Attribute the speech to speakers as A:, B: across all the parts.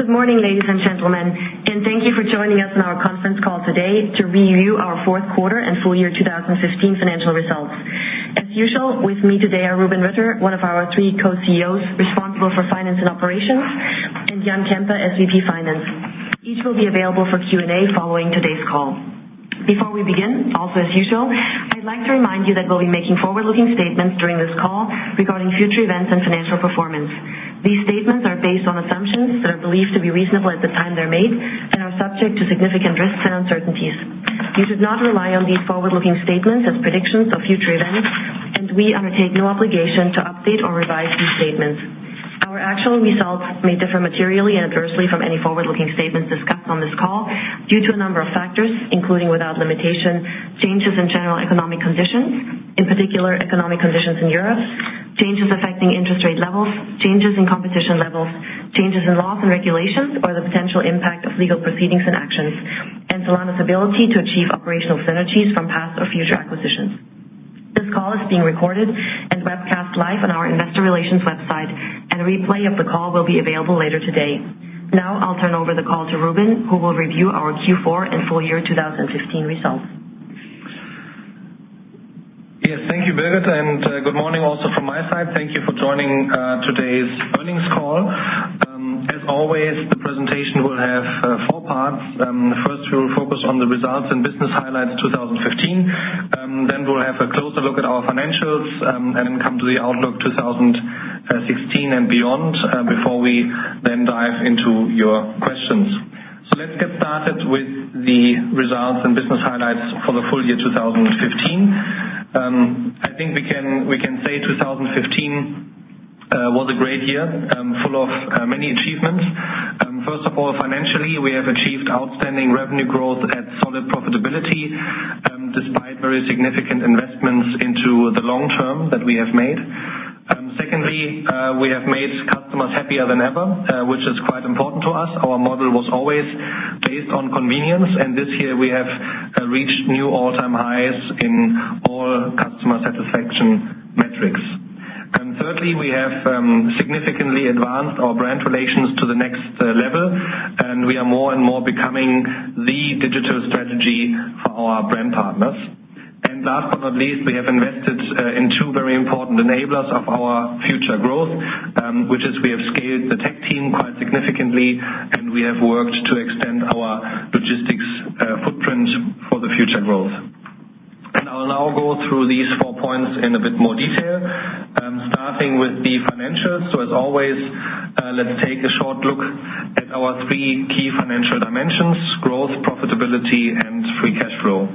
A: Good morning, ladies and gentlemen, and thank you for joining us on our conference call today to review our fourth quarter and full year 2015 financial results. As usual, with me today are Rubin Ritter, one of our three co-CEOs responsible for finance and operations, and Jan Kemper, SVP Finance. Each will be available for Q&A following today's call. Before we begin, also as usual, I'd like to remind you that we'll be making forward-looking statements during this call regarding future events and financial performance. These statements are based on assumptions that are believed to be reasonable at the time they're made and are subject to significant risks and uncertainties. You should not rely on these forward-looking statements as predictions of future events, and we undertake no obligation to update or revise these statements. Our actual results may differ materially and adversely from any forward-looking statements discussed on this call due to a number of factors, including, without limitation, changes in general economic conditions, in particular economic conditions in Europe, changes affecting interest rate levels, changes in competition levels, changes in laws and regulations, or the potential impact of legal proceedings and actions, and Zalando's ability to achieve operational synergies from past or future acquisitions. This call is being recorded and webcast live on our investor relations website, and a replay of the call will be available later today. Now I'll turn over the call to Rubin, who will review our Q4 and full year 2015 results.
B: Yes. Thank you, Birgit, and good morning also from my side. Thank you for joining today's earnings call. As always, the presentation will have four parts. First, we will focus on the results and business highlights 2015. We'll have a closer look at our financials, come to the outlook 2016 and beyond, before we dive into your questions. Let's get started with the results and business highlights for the full year 2015. I think we can say 2015 was a great year, full of many achievements. First of all, financially, we have achieved outstanding revenue growth and solid profitability, despite very significant investments into the long term that we have made. Secondly, we have made customers happier than ever, which is quite important to us. Our model was always based on convenience, and this year we have reached new all-time highs in all customer satisfaction metrics. Thirdly, we have significantly advanced our brand relations to the next level, we are more and more becoming the digital strategy for our brand partners. Last but not least, we have invested in two very important enablers of our future growth, which is we have scaled the tech team quite significantly, we have worked to extend our logistics footprint for the future growth. I will now go through these four points in a bit more detail. Starting with the financials. As always, let's take a short look at our three key financial dimensions, growth, profitability, and free cash flow.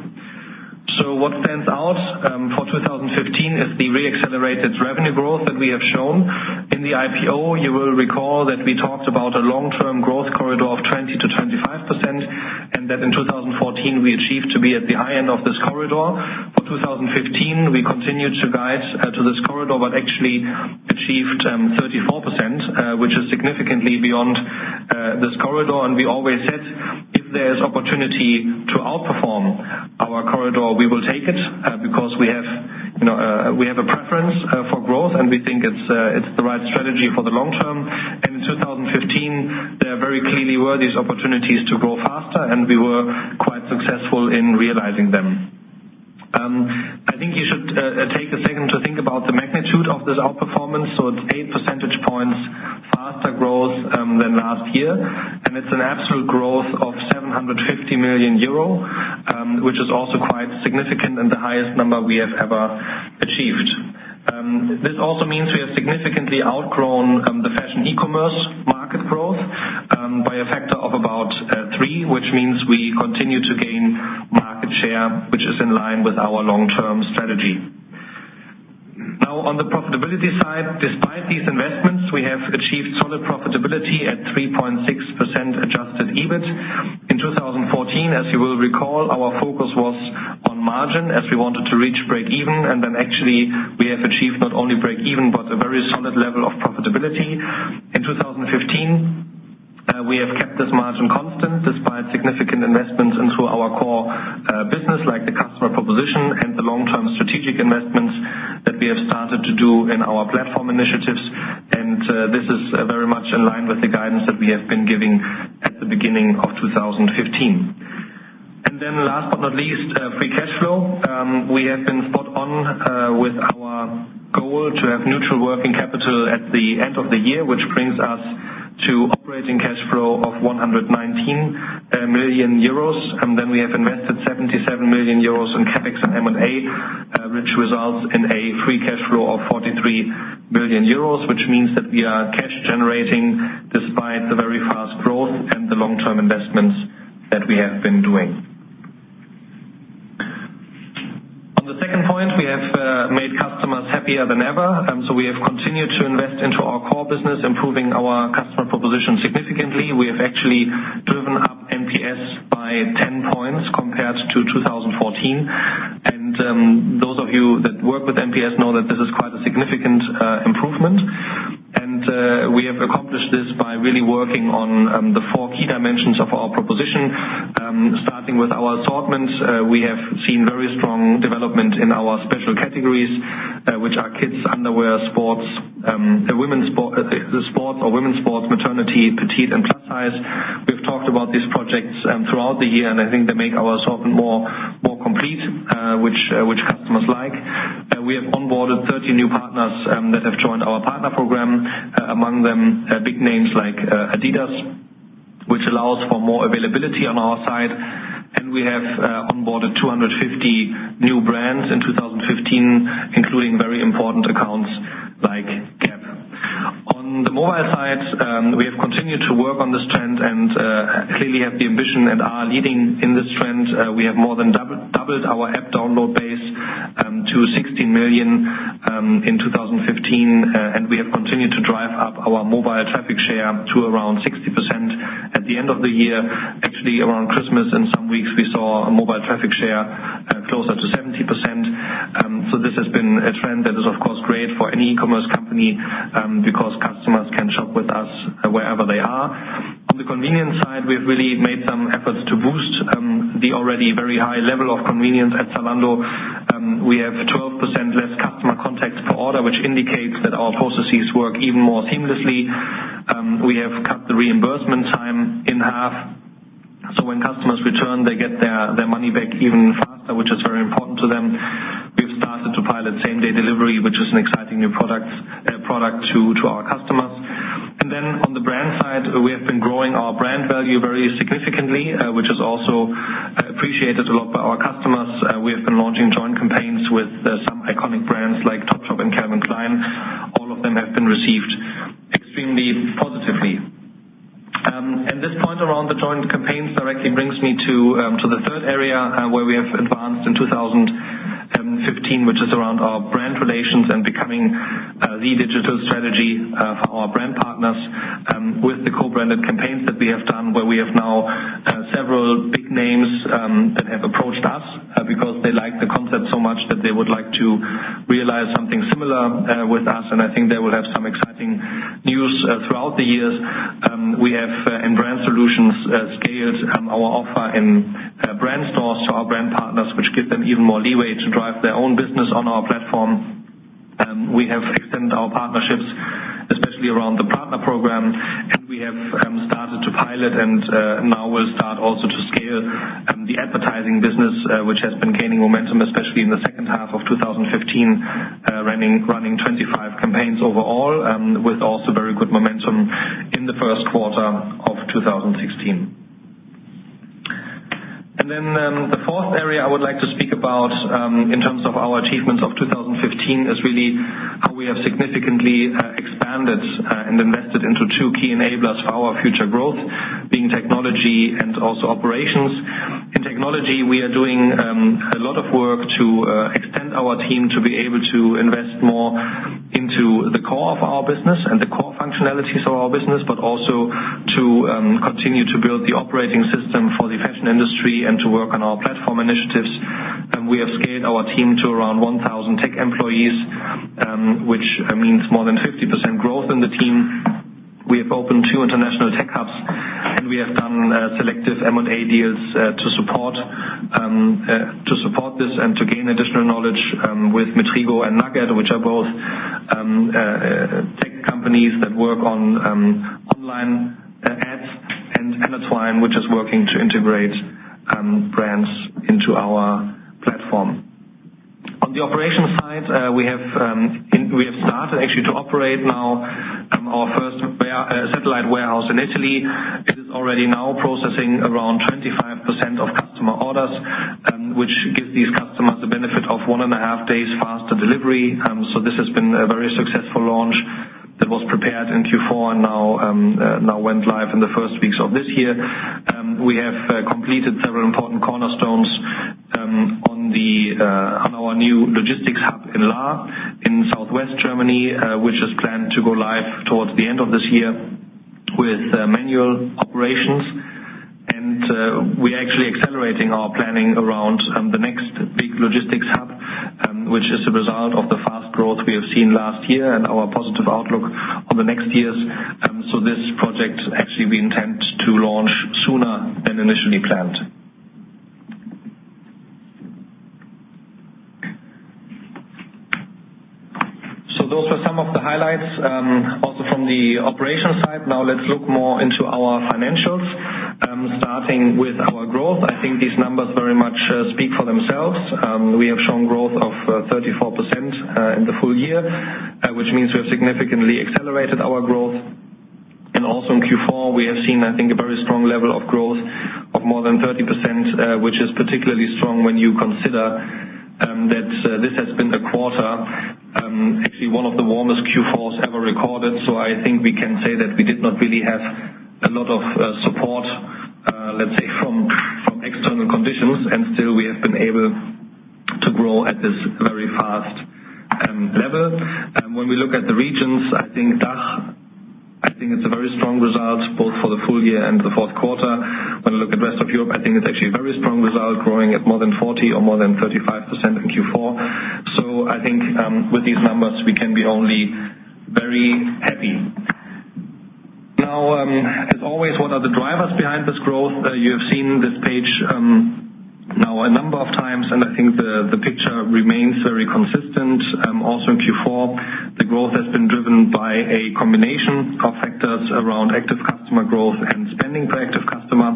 B: What stands out for 2015 is the re-accelerated revenue growth that we have shown. In the IPO, you will recall that we talked about a long-term growth corridor of 20%-25% and that in 2014 we achieved to be at the high end of this corridor. For 2015, we continued to guide to this corridor, but actually achieved 34%, which is significantly beyond this corridor. We always said, if there's opportunity to outperform our corridor, we will take it because we have a preference for growth, and we think it's the right strategy for the long term. In 2015, there very clearly were these opportunities to grow faster, and we were quite successful in realizing them. I think you should take a second to think about the magnitude of this outperformance. It's eight percentage points faster growth than last year, and it's an absolute growth of 750 million euro, which is also quite significant and the highest number we have ever achieved. This also means we have significantly outgrown the fashion e-commerce market growth by a factor of about three, which means we continue to gain market share, which is in line with our long-term strategy. On the profitability side, despite these investments, we have achieved solid profitability at 3.6% adjusted EBIT. In 2014, as you will recall, our focus was on margin as we wanted to reach break even. Actually we have achieved not only break even but a very solid level of profitability. In 2015, we have kept this margin constant despite significant investments into our core business, like the customer proposition and the long-term strategic investments that we have started to do in our platform initiatives. This is very much in line with the guidance that we have been giving at the beginning of 2015. Last but not least, free cash flow. We have been spot on with our goal to have neutral working capital at the end of the year, which brings us to operating cash flow of 119 million euros. We have invested 77 million euros in CapEx and M&A, which results in a free cash flow of 43 million euros, which means that we are cash generating despite the very fast growth and the long-term investments that we have been doing. On the second point, we have made customers happier than ever. We have continued to invest into our core business, improving our customer proposition significantly. We have actually driven up NPS by 10 points compared to 2014. Those of you that work with NPS know that this is quite a significant improvement. We have accomplished this by really working on the four key dimensions of our proposition. Starting with our assortments, we have seen very strong development in our special categories. Which are kids underwear, sports or women's sports, maternity, petite and plus size. We've talked about these projects throughout the year, and I think they make our assortment more complete, which customers like. We have onboarded 30 new partners that have joined our partner program. Among them, big names like Adidas, which allows for more availability on our side. We have onboarded 250 new brands in 2015, including very important accounts like Gap. On the mobile side, we have continued to work on this trend and clearly have the ambition and are leading in this trend. We have more than doubled our app download base to 16 million in 2015. We have continued to drive up our mobile traffic share to around 60% at the end of the year. Actually, around Christmas in some weeks, we saw a mobile traffic share closer to 70%. This has been a trend that is, of course, great for any e-commerce company, because customers can shop with us wherever they are. On the convenience side, we've really made some efforts to boost the already very high level of convenience at Zalando. We have 12% less customer contacts per order, which indicates that our processes work even more seamlessly. We have cut the reimbursement time in half, so when customers return, they get their money back even faster, which is very important to them. We've started to pilot same-day delivery, which is an exciting new product to our customers. On the brand side, we have been growing our brand value very significantly, which is also appreciated a lot by our customers. We have been launching joint campaigns with some iconic brands like Topshop and Calvin Klein. All of them have been received extremely positively. This point around the joint campaigns directly brings me to the third area where we have advanced in 2015, which is around our brand relations and becoming the digital strategy for our brand partners. With the co-branded campaigns that we have done, where we have now several big names that have approached us because they like the concept so much that they would like to realize something similar with us, and I think they will have some exciting news throughout the years. We have, in brand solutions, scaled our offer in brand stores to our brand partners, which give them even more leeway to drive their own business on our platform. We have extended our partnerships, especially around the partner program, and we have started to pilot and now will start also to scale the advertising business, which has been gaining momentum especially in the second half of 2015, running 25 campaigns overall, with also very good momentum in the first quarter of 2016. The fourth area I would like to speak about in terms of our achievements of 2015 is really how we have significantly expanded and invested into two key enablers for our future growth, being technology and also operations. In technology, we are doing a lot of work to extend our team to be able to invest more into the core of our business and the core functionalities of our business. Also to continue to build the operating system for the fashion industry and to work on our platform initiatives. We have scaled our team to around 1,000 tech employees, which means more than 50% growth in the team. We have opened two international tech hubs. We have done selective M&A deals to support this and to gain additional knowledge with Metrigo and nugg.ad, which are both tech companies that work on online ads and Amaze, which is working to integrate brands into our platform. On the operations side, we have started actually to operate now our first satellite warehouse in Italy. It is already now processing around 25% of customer orders, which gives these customers the benefit of one and a half days faster delivery. This has been a very successful launch that was prepared in Q4 and now went live in the first weeks of this year. We have completed several important cornerstones on our new logistics hub in Lahr in southwest Germany, which is planned to go live towards the end of this year with manual operations. We are actually accelerating our planning around the next big logistics hub, which is a result of the fast growth we have seen last year and our positive outlook on the next years. This project actually we intend to launch sooner than initially planned. Those were some of the highlights, also from the operations side. Now let's look more into our financials. Starting with our growth, I think these numbers very much speak for themselves. We have shown growth of 34% in the full year, which means we have significantly accelerated our growth. Also in Q4, we have seen, I think, a very strong level of growth of more than 30%, which is particularly strong when you consider that this has been the quarter, actually one of the warmest Q4s ever recorded. I think we can say that we did not really have a lot of support, let's say from external conditions. Still, we have been able to grow at this very fast level. When we look at the regions, I think DACH, I think it's a very strong result both for the full year and the fourth quarter. When we look at the rest of Europe, I think it's actually a very strong result, growing at more than 40 or more than 35% in Q4. I think with these numbers, we can be only very happy. Now, as always a number of times, I think the picture remains very consistent. Also in Q4, the growth has been driven by a combination of factors around active customer growth and spending per active customer.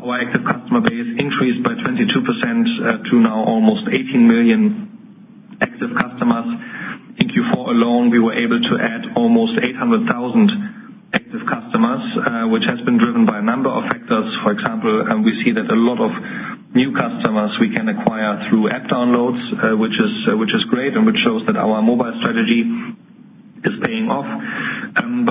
B: Our active customer base increased by 22% to now almost 18 million active customers. In Q4 alone, we were able to add almost 800,000 active customers, which has been driven by a number of factors. For example, we see that a lot of new customers we can acquire through app downloads, which is great and which shows that our mobile strategy is paying off.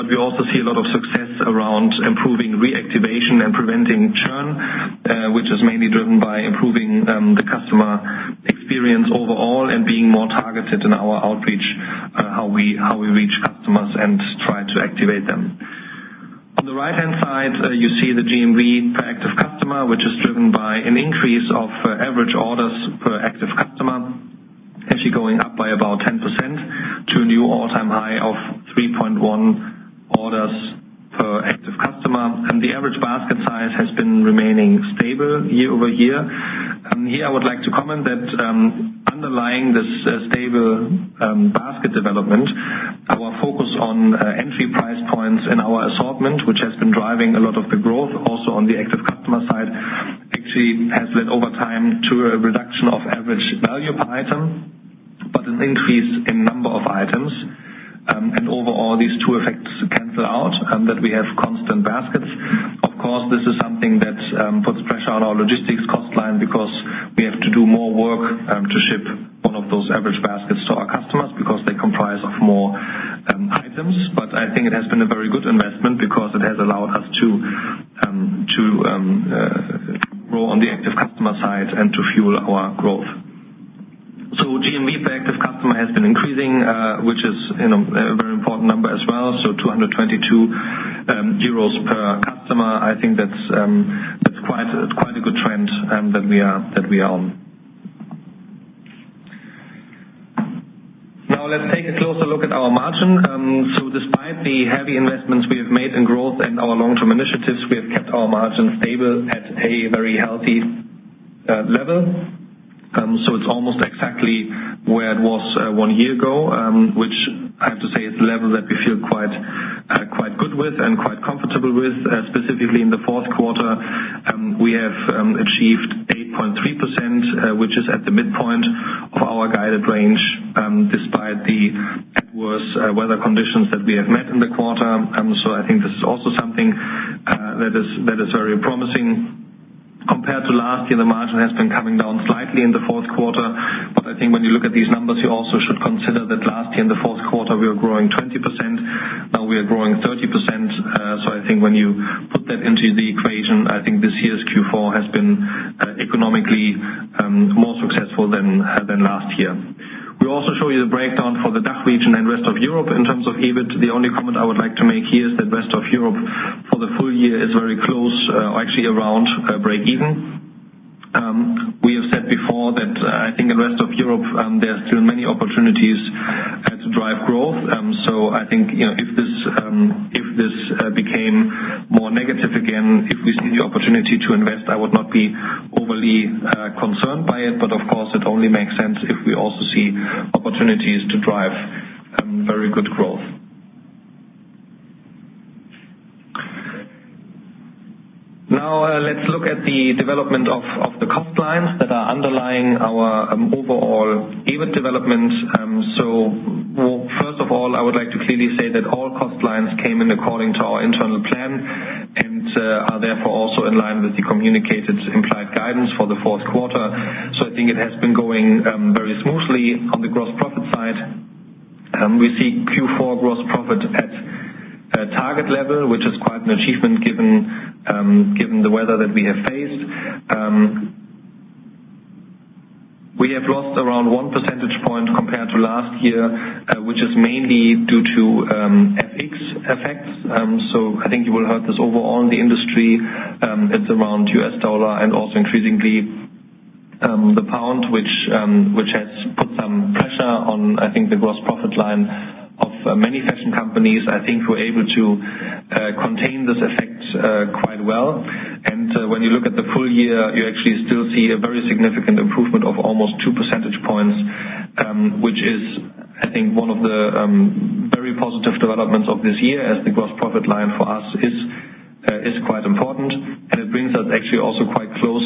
B: We also see a lot of success around improving reactivation and preventing churn, which is mainly driven by improving the customer experience overall and being more targeted in our outreach, how we reach customers and try to activate them. On the right-hand side, you see the GMV per active customer, which is driven by an increase of average orders per active customer, actually going up by about 10% to a new all-time high of 3.1 orders per active customer. The average basket size has been remaining stable year-over-year. Here I would like to comment that underlying this stable basket development, our focus on entry price points in our assortment, which has been driving a lot of the growth, also on the active customer side, actually has led over time to a reduction of average value per item, but an increase in number of items. Overall, these two effects cancel out, and we have constant baskets. Of course, this is something that puts pressure on our logistics cost line because we have to do more work to ship one of those average baskets to our customers because they comprise of more items. But I think it has been a very good investment because it has allowed us to grow on the active customer side and to fuel our growth. GMV per active customer has been increasing, which is a very important number as well. 222 euros per customer. I think that's quite a good trend that we own. Let's take a closer look at our margin. Despite the heavy investments we have made in growth and our long-term initiatives, we have kept our margin stable at a very healthy level. It's almost exactly where it was one year ago, which I have to say is a level that we feel quite good with and quite comfortable with. Specifically in the fourth quarter, we have achieved 8.3%, which is at the midpoint of our guided range, despite the adverse weather conditions that we have met in the quarter. I think this is also something that is very promising. Compared to last year, the margin has been coming down slightly in the fourth quarter. I think when you look at these numbers, you also should consider that last year in the fourth quarter, we were growing 20%. We are growing 30%. I think when you put that into the equation, I think this year's Q4 has been economically more successful than last year. We also show you the breakdown for the DACH region and rest of Europe. In terms of EBIT, the only comment I would like to make here is that rest of Europe for the full year is very close, actually around breakeven. We have said before that I think in rest of Europe, there are still many opportunities to drive growth. I think, if this became more negative again, if we see the opportunity to invest, I would not be overly concerned by it. Of course, it only makes sense if we also see opportunities to drive very good growth. Let's look at the development of the cost lines that are underlying our overall EBIT development. First of all, I would like to clearly say that all cost lines came in according to our internal plan and are therefore also in line with the communicated implied guidance for the fourth quarter. I think it has been going very smoothly on the gross profit side. We see Q4 gross profit at target level, which is quite an achievement given the weather that we have faced. We have lost around one percentage point compared to last year, which is mainly due to FX effects. I think you will heard this overall in the industry. It's around US dollar and also increasingly the pound, which has put some pressure on, I think, the gross profit line of many fashion companies. I think we're able to contain this effect quite well. When you look at the full year, you actually still see a very significant improvement of almost two percentage points, which is, I think, one of the very positive developments of this year as the gross profit line for us is quite important and it brings us actually also quite close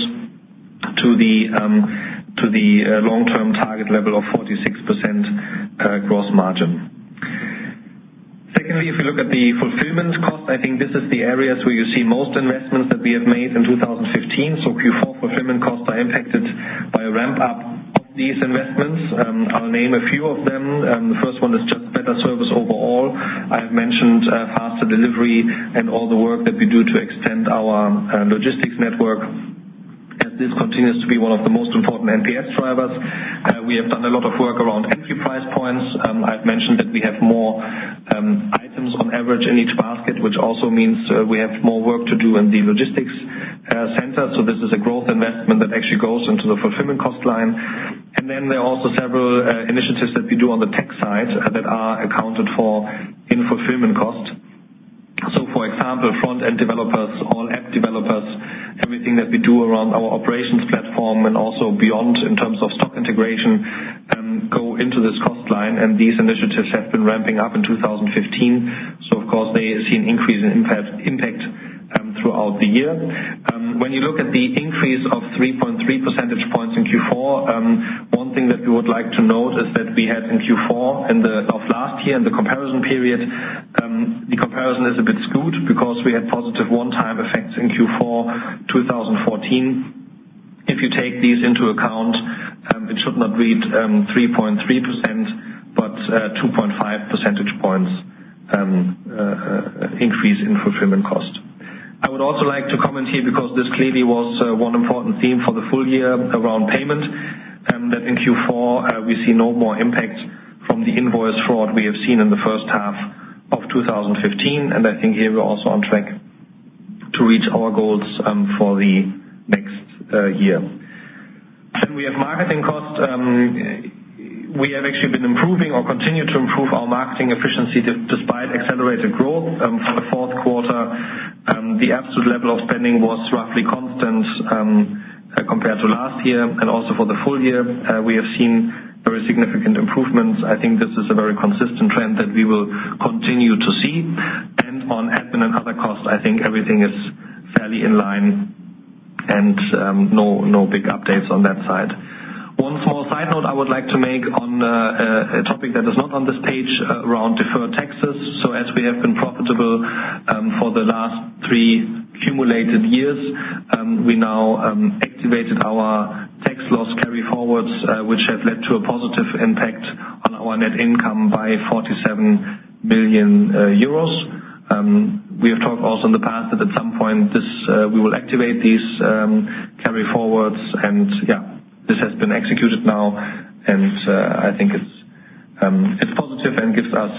B: to the long-term target level of 46% gross margin. Secondly, if you look at the fulfillment cost, I think this is the areas where you see most investments that we have made in 2015. Q4 fulfillment costs are impacted by a ramp-up of these investments. I'll name a few of them. The first one is just better service overall. I have mentioned faster delivery and all the work that we do to extend our logistics network, as this continues to be one of the most important NPS drivers. We have done a lot of work around entry price points. I've mentioned that we have more items on average in each basket, which also means we have more work to do in the logistics center. This is a growth investment that actually goes into the fulfillment cost line. Then there are also several initiatives that we do on the tech side that are accounted for in fulfillment costs. For example, front-end developers or app developers, everything that we do around our operations platform and also beyond in terms of stock integration, go into this cost line, and these initiatives have been ramping up in 2015. Of course, they see an increase in impact throughout the year. When you look at the increase of 3.3 percentage points in Q4, one thing that we would like to note is that we had in Q4 of last year, in the comparison period, the comparison is a bit skewed because we had positive one-time effects in Q4 2014. If you take these into account, it should not read 3.3%, but 2.5 percentage points increase in fulfillment cost. I would also like to comment here, because this clearly was one important theme for the full year around payment, that in Q4 we see no more impact from the invoice fraud we have seen in the first half of 2015. I think here we're also on track to reach our goals for the next year. We have marketing costs. We have actually been improving or continue to improve our marketing efficiency despite accelerated growth. For the fourth quarter, the absolute level of spending was roughly constant, compared to last year. Also for the full year, we have seen very significant improvements. I think this is a very consistent trend that we will continue to see. On admin and other costs, I think everything is fairly in line and no big updates on that side. One small side note I would like to make on a topic that is not on this page around deferred taxes. As we have been profitable for the last three cumulative years, we now activated our tax loss carry-forwards, which had led to a positive impact on our net income by 47 million euros. We have talked also in the past that at some point we will activate these carry-forwards. This has been executed now and I think it's positive and gives us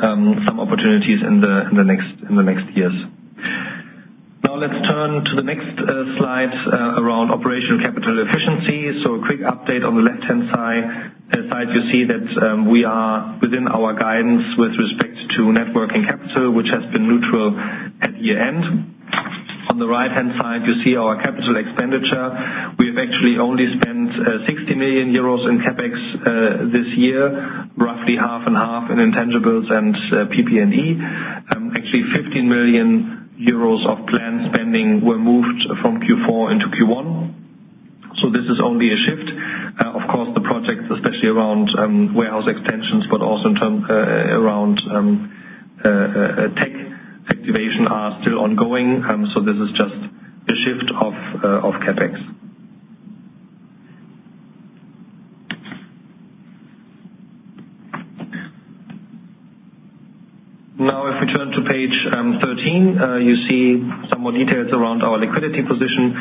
B: some opportunities in the next years. Let's turn to the next slides around operational capital efficiency. A quick update. On the left-hand side, you see that we are within our guidance with respect to net working capital, which has been neutral at year-end. On the right-hand side, you see our capital expenditure. We have actually only spent 60 million euros in CapEx this year, roughly half and half in intangibles and PP&E. Actually, 15 million euros of planned spending were moved from Q4 into Q1. This is only a shift. Of course, the projects, especially around warehouse extensions, but also around tech activation are still ongoing. This is just a shift of CapEx. If we turn to page 13, you see some more details around our liquidity position.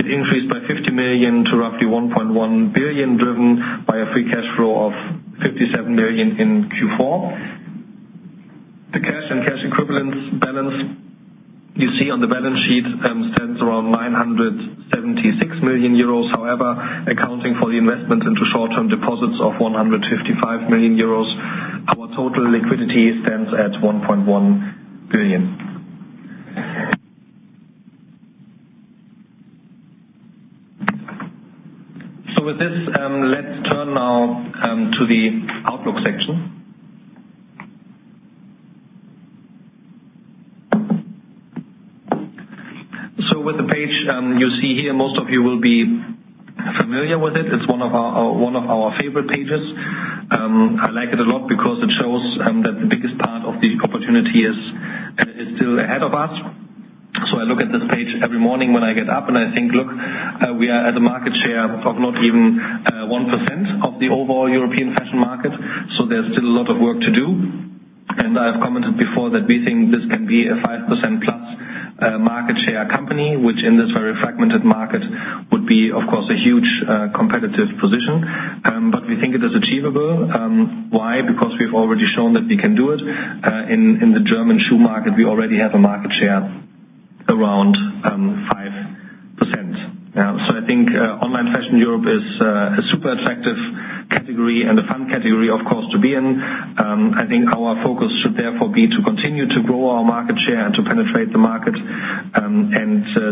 B: It increased by 50 million to roughly 1.1 billion, driven by a free cash flow of 57 million in Q4. The cash and cash equivalents balance you see on the balance sheet stands around 976 million euros. However, accounting for the investments into short-term deposits of 155 million euros, our total liquidity stands at 1.1 billion. With this, let's turn now to the outlook section. With the page you see here, most of you will be familiar with it. It's one of our favorite pages. I like it a lot because it shows that the biggest part of the opportunity is still ahead of us. I look at this page every morning when I get up and I think, look, we are at a market share of not even 1% of the overall European fashion market. There's still a lot of work to do. I've commented before that we think this can be a 5% plus market share company, which in this very fragmented market would be, of course, a huge competitive position. We think it is achievable. Why? Because we've already shown that we can do it. In the German shoe market, we already have a market share around 5%. I think online fashion in Europe is a super attractive category and a fun category, of course, to be in. I think our focus should therefore be to continue to grow our market share and to penetrate the market.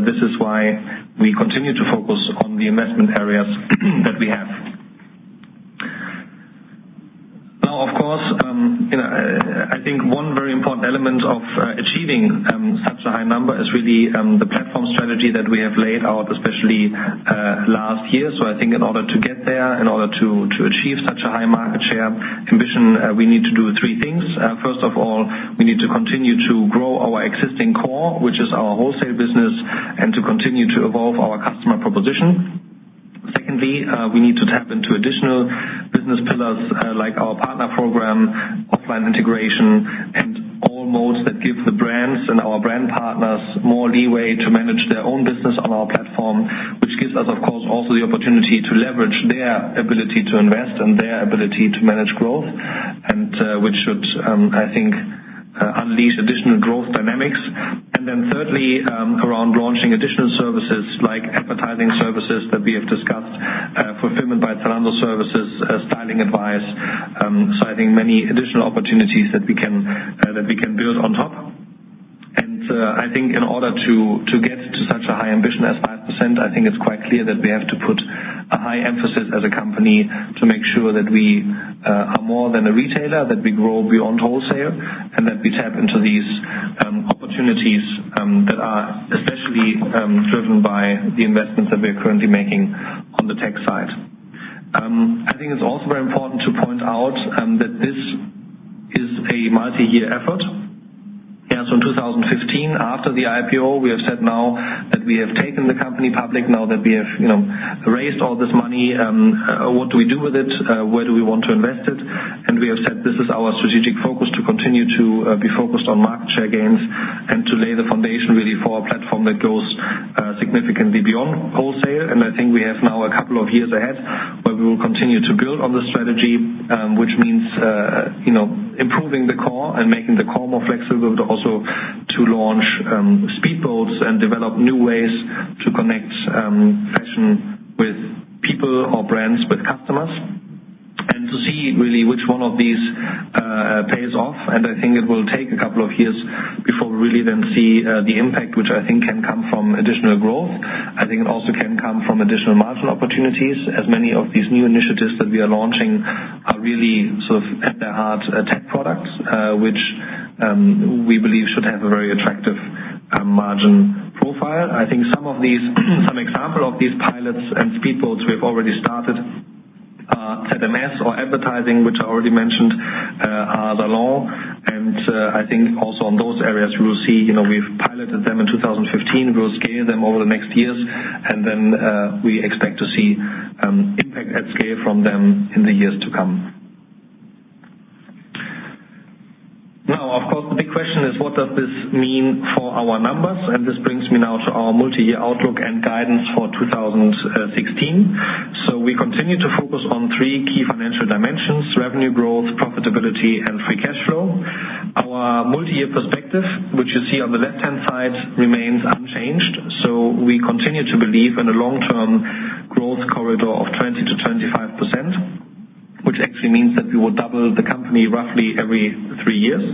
B: This is why we continue to focus on the investment areas that we have. Of course, I think one very important element of achieving such a high number is really the platform strategy that we have laid out, especially last year. I think in order to get there, in order to achieve such a high market share ambition, we need to do three things. First of all, we need to continue to grow our existing core, which is our wholesale business, and to continue to evolve our customer proposition. Secondly, we need to tap into additional business pillars, like our partner program, offline integration, and all modes that give the brands and our brand partners more leeway to manage their own business on our platform, which gives us, of course, also the opportunity to leverage their ability to invest and their ability to manage growth. Which should, I think, unleash additional growth dynamics. Then thirdly, around launching additional services like advertising services that we have discussed Fulfillment by Zalando services, styling advice. I think many additional opportunities that we can build on top. I think in order to get to such a high ambition as 5%, I think it's quite clear that we have to put a high emphasis as a company to make sure that we are more than a retailer, that we grow beyond wholesale, and that we tap into these opportunities that are especially driven by the investments that we are currently making on the tech side. It's also very important to point out that this is a multi-year effort. In 2015, after the IPO, we have said now that we have taken the company public, now that we have raised all this money, what do we do with it? Where do we want to invest it? We have said this is our strategic focus to continue to be focused on market share gains and to lay the foundation really for a platform that goes significantly beyond wholesale. I think we have now a couple of years ahead where we will continue to build on the strategy, which means improving the core and making the core more flexible, but also to launch speedboats and develop new ways to connect fashion with people or brands with customers. To see really which one of these pays off. I think it will take a couple of years before we really then see the impact, which I think can come from additional growth. I think it also can come from additional margin opportunities, as many of these new initiatives that we are launching are really at their heart tech products, which, we believe should have a very attractive margin profile. I think some example of these pilots and speedboats we have already started, ZMS or advertising, which I already mentioned, Zalando. I think also on those areas you will see we've piloted them in 2015. We'll scale them over the next years, and then we expect to see impact at scale from them in the years to come. Of course, the big question is what does this mean for our numbers? This brings me now to our multi-year outlook and guidance for 2016. We continue to focus on three key financial dimensions: revenue growth, profitability, and free cash flow. Our multi-year perspective, which you see on the left-hand side, remains unchanged. We continue to believe in a long-term growth corridor of 20%-25%, which actually means that we will double the company roughly every three years.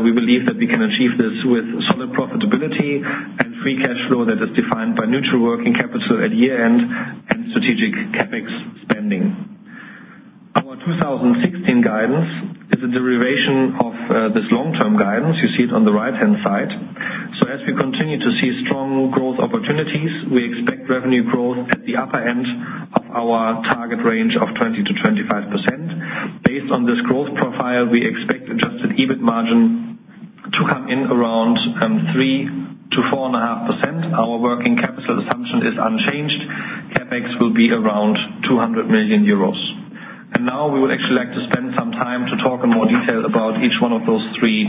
B: We believe that we can achieve this with solid profitability and free cash flow that is defined by neutral working capital at year-end and strategic CapEx spending. Our 2016 guidance is a derivation of this long-term guidance. You see it on the right-hand side. As we continue to see strong growth opportunities, we expect revenue growth at the upper end of our target range of 20%-25%. Based on this growth profile, we expect adjusted EBIT margin to come in around 3%-4.5%. Our working capital assumption is unchanged. CapEx will be around 200 million euros. Now we would actually like to spend some time to talk in more detail about each one of those three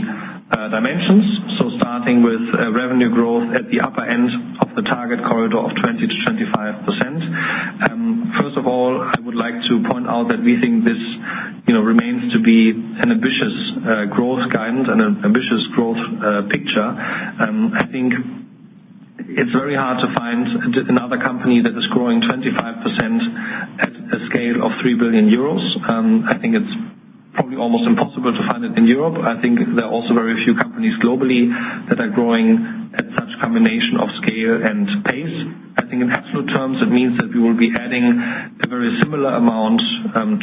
B: dimensions. Starting with revenue growth at the upper end of the target corridor of 20%-25%. First of all, I would like to point out that we think this remains to be an ambitious growth guidance and an ambitious growth picture. I think it's very hard to find another company that is growing 25% at a scale of 3 billion euros. I think it's probably almost impossible to find it in Europe. I think there are also very few companies globally that are growing at such combination of scale and pace. I think in absolute terms, it means that we will be adding a very similar amount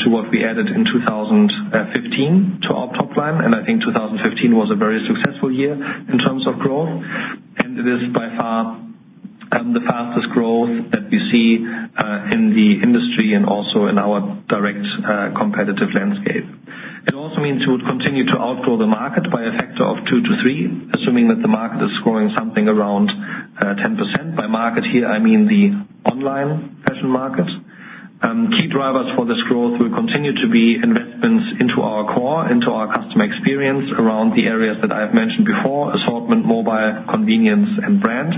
B: to what we added in 2015 to our top line. I think 2015 was a very successful year in terms of growth. It is by far the fastest growth that we see in the industry and also in our direct competitive landscape. It also means we would continue to outgrow the market by a factor of two to three, assuming that the market is growing something around 10%. By market here, I mean the online fashion market. Key drivers for this growth will continue to be investments into our core, into our customer experience around the areas that I have mentioned before: assortment, mobile, convenience, and brand.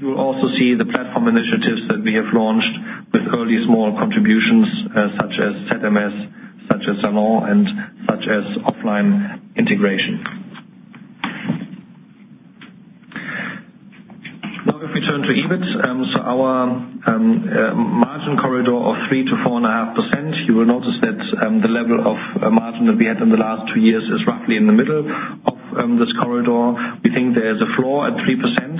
B: You will also see the platform initiatives that we have launched with early small contributions such as ZMS, such as Zalando, and such as offline integration. If we turn to EBIT. Our margin corridor of 3%-4.5%, you will notice that the level of margin that we had in the last two years is roughly in the middle of this corridor. We think there is a floor at 3%.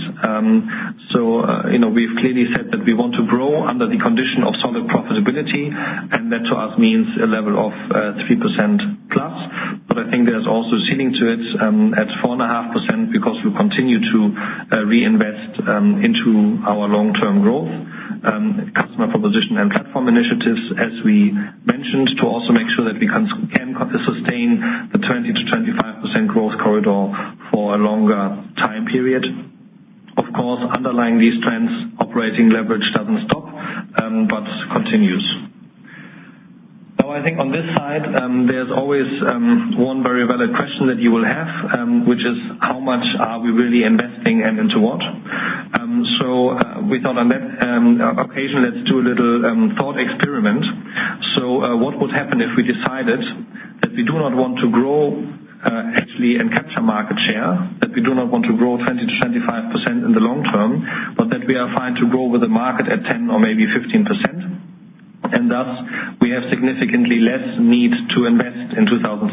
B: We've clearly said that we want to grow under the condition of solid profitability, and that to us means a level of 3% plus. I think there's also a ceiling to it at 4.5% because we continue to reinvest into our long-term growth. Customer proposition and platform initiatives, as we mentioned, to also make sure that we can sustain the 20%-25% growth corridor for a longer time period. Of course, underlying these trends, operating leverage doesn't stop but continues. I think on this side, there's always one very valid question that you will have, which is how much are we really investing and into what? We thought on that occasion, let's do a little thought experiment. What would happen if we decided that we do not want to grow actually and capture market share, that we do not want to grow 20%-25% in the long term, but that we are fine to grow with the market at 10% or maybe 15%? Thus, we have significantly less need to invest in 2016.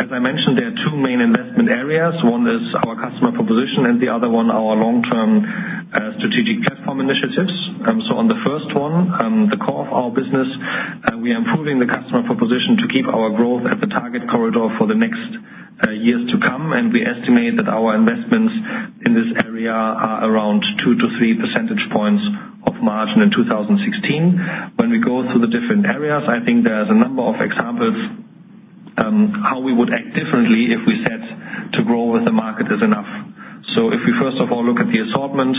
B: As I mentioned, there are two main investment areas. One is our customer proposition and the other one our long-term strategic platform initiatives. On the first one, the core of our business, we are improving the customer proposition to keep our growth at the target corridor for the next years to come. We estimate that our investments in this area are around two to three percentage points of margin in 2016. When we go through the different areas, I think there's a number of examples how we would act differently if we said to grow with the market is enough. If we first of all, look at the assortment,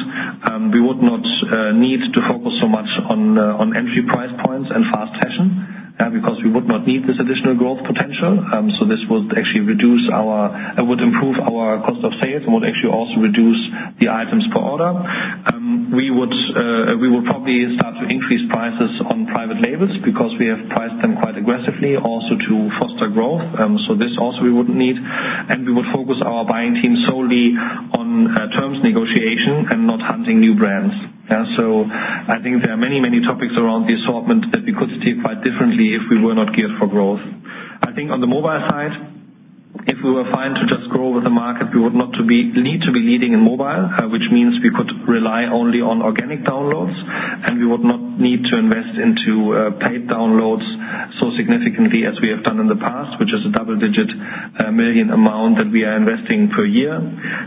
B: we would not need to focus so much on entry price points and fast fashion, because we would not need this additional growth potential. This would improve our cost of sales, and would actually also reduce the items per order. We would probably start to increase prices on private labels because we have priced them quite aggressively also to foster growth. This also we wouldn't need, and we would focus our buying team solely on terms negotiation and not hunting new brands. I think there are many, many topics around the assortment that we could take quite differently if we were not geared for growth. I think on the mobile side, if we were fine to just grow with the market, we would not need to be leading in mobile, which means we could rely only on organic downloads and we would not need to invest into paid downloads so significantly as we have done in the past, which is a double-digit million EUR amount that we are investing per year.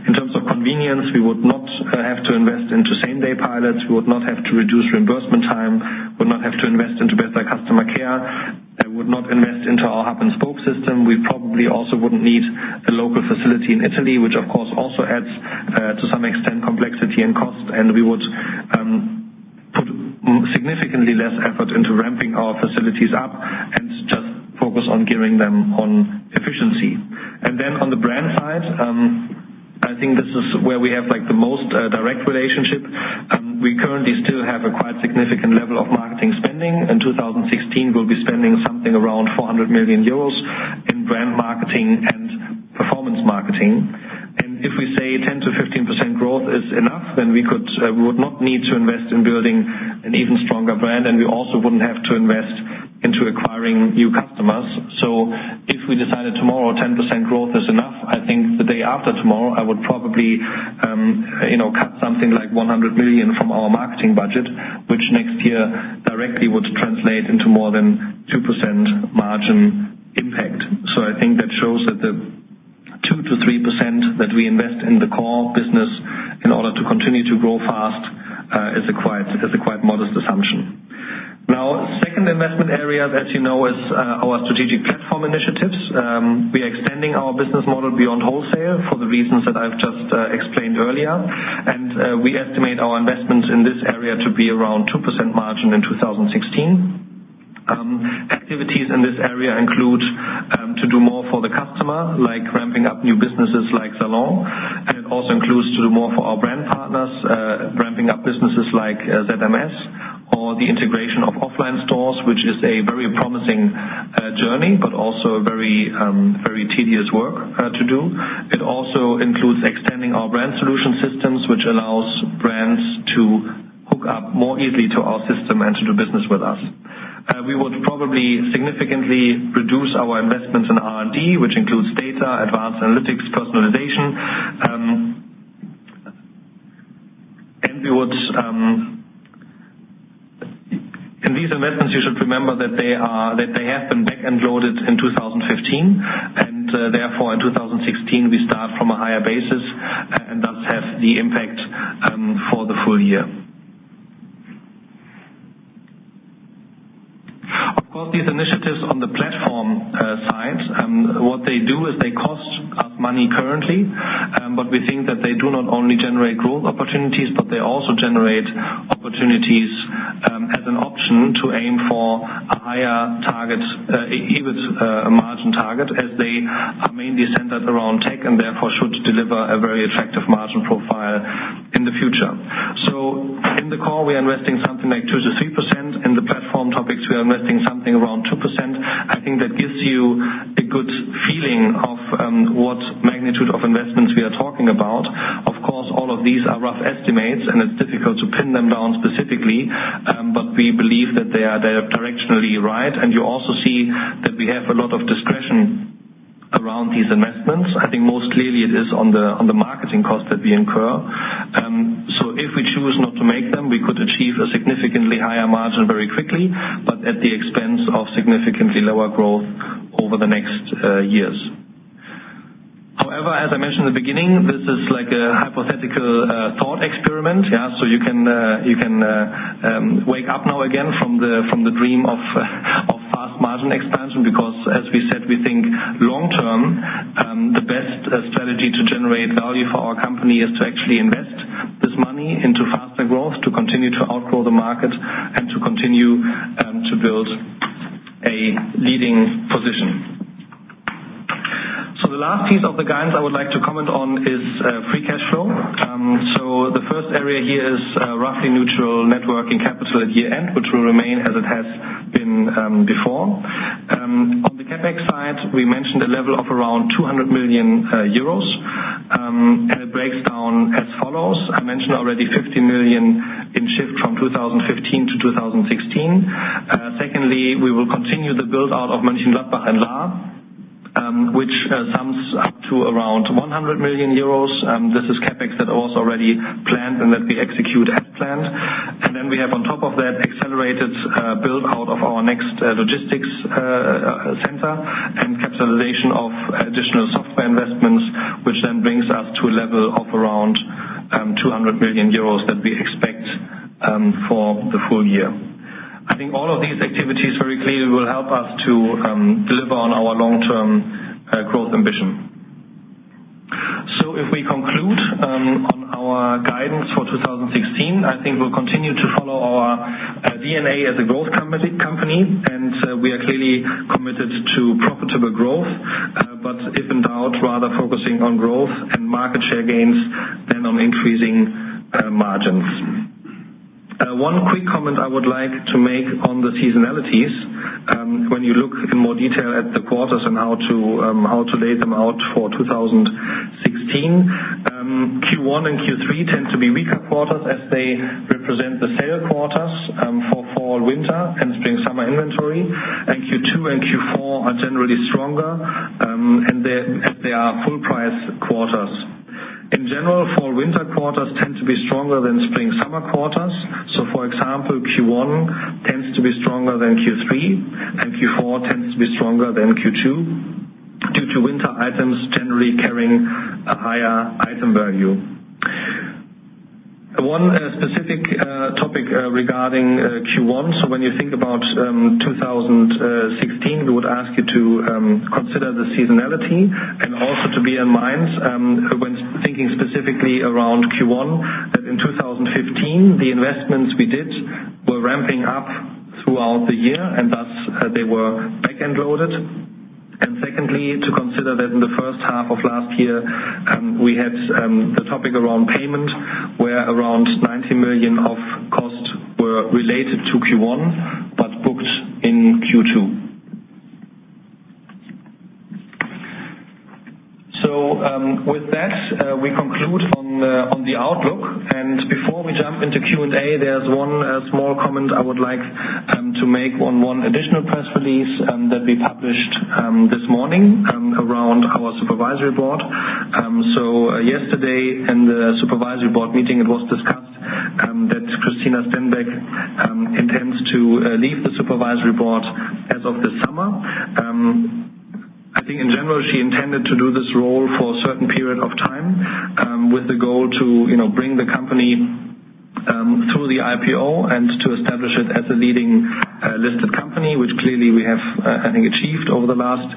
B: In terms of convenience, we would not have to invest into same-day pilots. We would not have to reduce reimbursement time, would not have to invest into better customer care, and would not invest into our hub-and-spoke system. We probably also wouldn't need a local facility in Italy, which of course, also adds, to some extent, complexity and cost. We would put significantly less effort into ramping our facilities up and just focus on gearing them on efficiency. On the brand side, I think this is where we have the most direct relationship. We currently still have a quite significant level of marketing spending. In 2016, we'll be spending something around 400 million euros in brand marketing and performance marketing. If we say 10%-15% growth is enough, then we would not need to invest in building an even stronger brand, and we also wouldn't have to invest into acquiring new customers. If we decided tomorrow 10% growth is enough, I think the day after tomorrow, I would probably cut something like 100 million from our marketing budget, which next year directly would translate into more than 2% margin impact. I think that shows that the 2%-3% that we invest in the core business in order to continue to grow fast, is a quite modest assumption. Second investment area, as you know, is our strategic platform initiatives. We are expanding our business model beyond wholesale for the reasons that I've just explained earlier. We estimate our investments in this area to be around 2% margin in 2016. Activities in this area include to do more for the customer, like ramping up new businesses like Zalando Lounge. It also includes to do more for our brand partners, ramping up businesses like ZMS or the integration of offline stores, which is a very promising journey, but also very tedious work to do. It also includes extending our brand solution systems, which allows brands to hook up more easily to our system and to do business with us. We would probably significantly reduce our investments in R&D, which includes data, advanced analytics, personalization. These investments, you should remember that they have been back-end loaded in 2015, in 2016, we start from a higher basis and thus have the impact for the full year. These initiatives on the platform side, what they do is they cost us money currently. We think that they do not only generate growth opportunities, but they also generate opportunities as an option to aim for higher EBIT margin target as they are mainly centered around tech and therefore should deliver a very effective margin profile in the future. In the core, we are investing something like 2%-3%. In the platform topics, we are investing something around 2%. I think that gives you a good feeling of what magnitude of investments we are talking about. All of these are rough estimates, and it's difficult to pin them down specifically. We believe that they are directionally right. You also see that we have a lot of discretion around these investments. I think most clearly it is on the marketing cost that we incur. If we choose not to make them, we could achieve a significantly higher margin very quickly, but at the expense of significantly lower growth over the next years. However, as I mentioned at the beginning, this is like a hypothetical thought experiment. You can wake up now again from the dream of fast margin expansion because, as we said, we think long-term, the best strategy to generate value for our company is to actually invest this money into faster growth, to continue to outgrow the market and to continue to build a leading position. The last piece of the guidance I would like to comment on The first area here is roughly neutral net working capital at year-end, which will remain as it has been before. On the CapEx side, we mentioned a level of around 200 million euros, it breaks down as follows. I mentioned already 50 million in shift from 2015 to 2016. Secondly, we will continue the build-out of Mönchengladbach and Lahr, which sums up to around 100 million euros. This is CapEx that was already planned and that we execute as planned. Then we have on top of that, accelerated build-out of our next logistics center and capitalization of additional software investments, which then brings us to a level of around 200 million euros that we expect for the full year. I think all of these activities very clearly will help us to deliver on our long-term growth ambition. If we conclude on our guidance for 2016, I think we'll continue to follow our DNA as a growth company, we are clearly committed to profitable growth. If in doubt, rather focusing on growth and market share gains than on increasing margins. One quick comment I would like to make on the seasonalities. When you look in more detail at the quarters and how to lay them out for 2016. Q1 and Q3 tend to be weaker quarters as they represent the sale quarters for fall, winter and spring, summer inventory. Q2 and Q4 are generally stronger, and they are full price quarters. In general, fall, winter quarters tend to be stronger than spring, summer quarters. For example, Q1 tends to be stronger than Q3, and Q4 tends to be stronger than Q2 due to winter items generally carrying a higher item value. One specific topic regarding Q1. When you think about 2016, we would ask you to consider the seasonality and also to bear in mind when thinking specifically around Q1, that in 2015 the investments we did were ramping up throughout the year and thus they were back-end loaded. Secondly, to consider that in the first half of last year, we had the topic around payment, where around 90 million of costs were related to Q1 but booked in Q2. With that, we conclude on the outlook, before we jump into Q&A, there's one small comment I would like to make on one additional press release that we published this morning around our supervisory board. Yesterday in the supervisory board meeting, it was discussed that Cristina Stenbeck intends to leave the supervisory board as of this summer. I think in general, she intended to do this role for a certain period of time with the goal to bring the company through the IPO and to establish it as a leading listed company, which clearly we have, I think, achieved over the last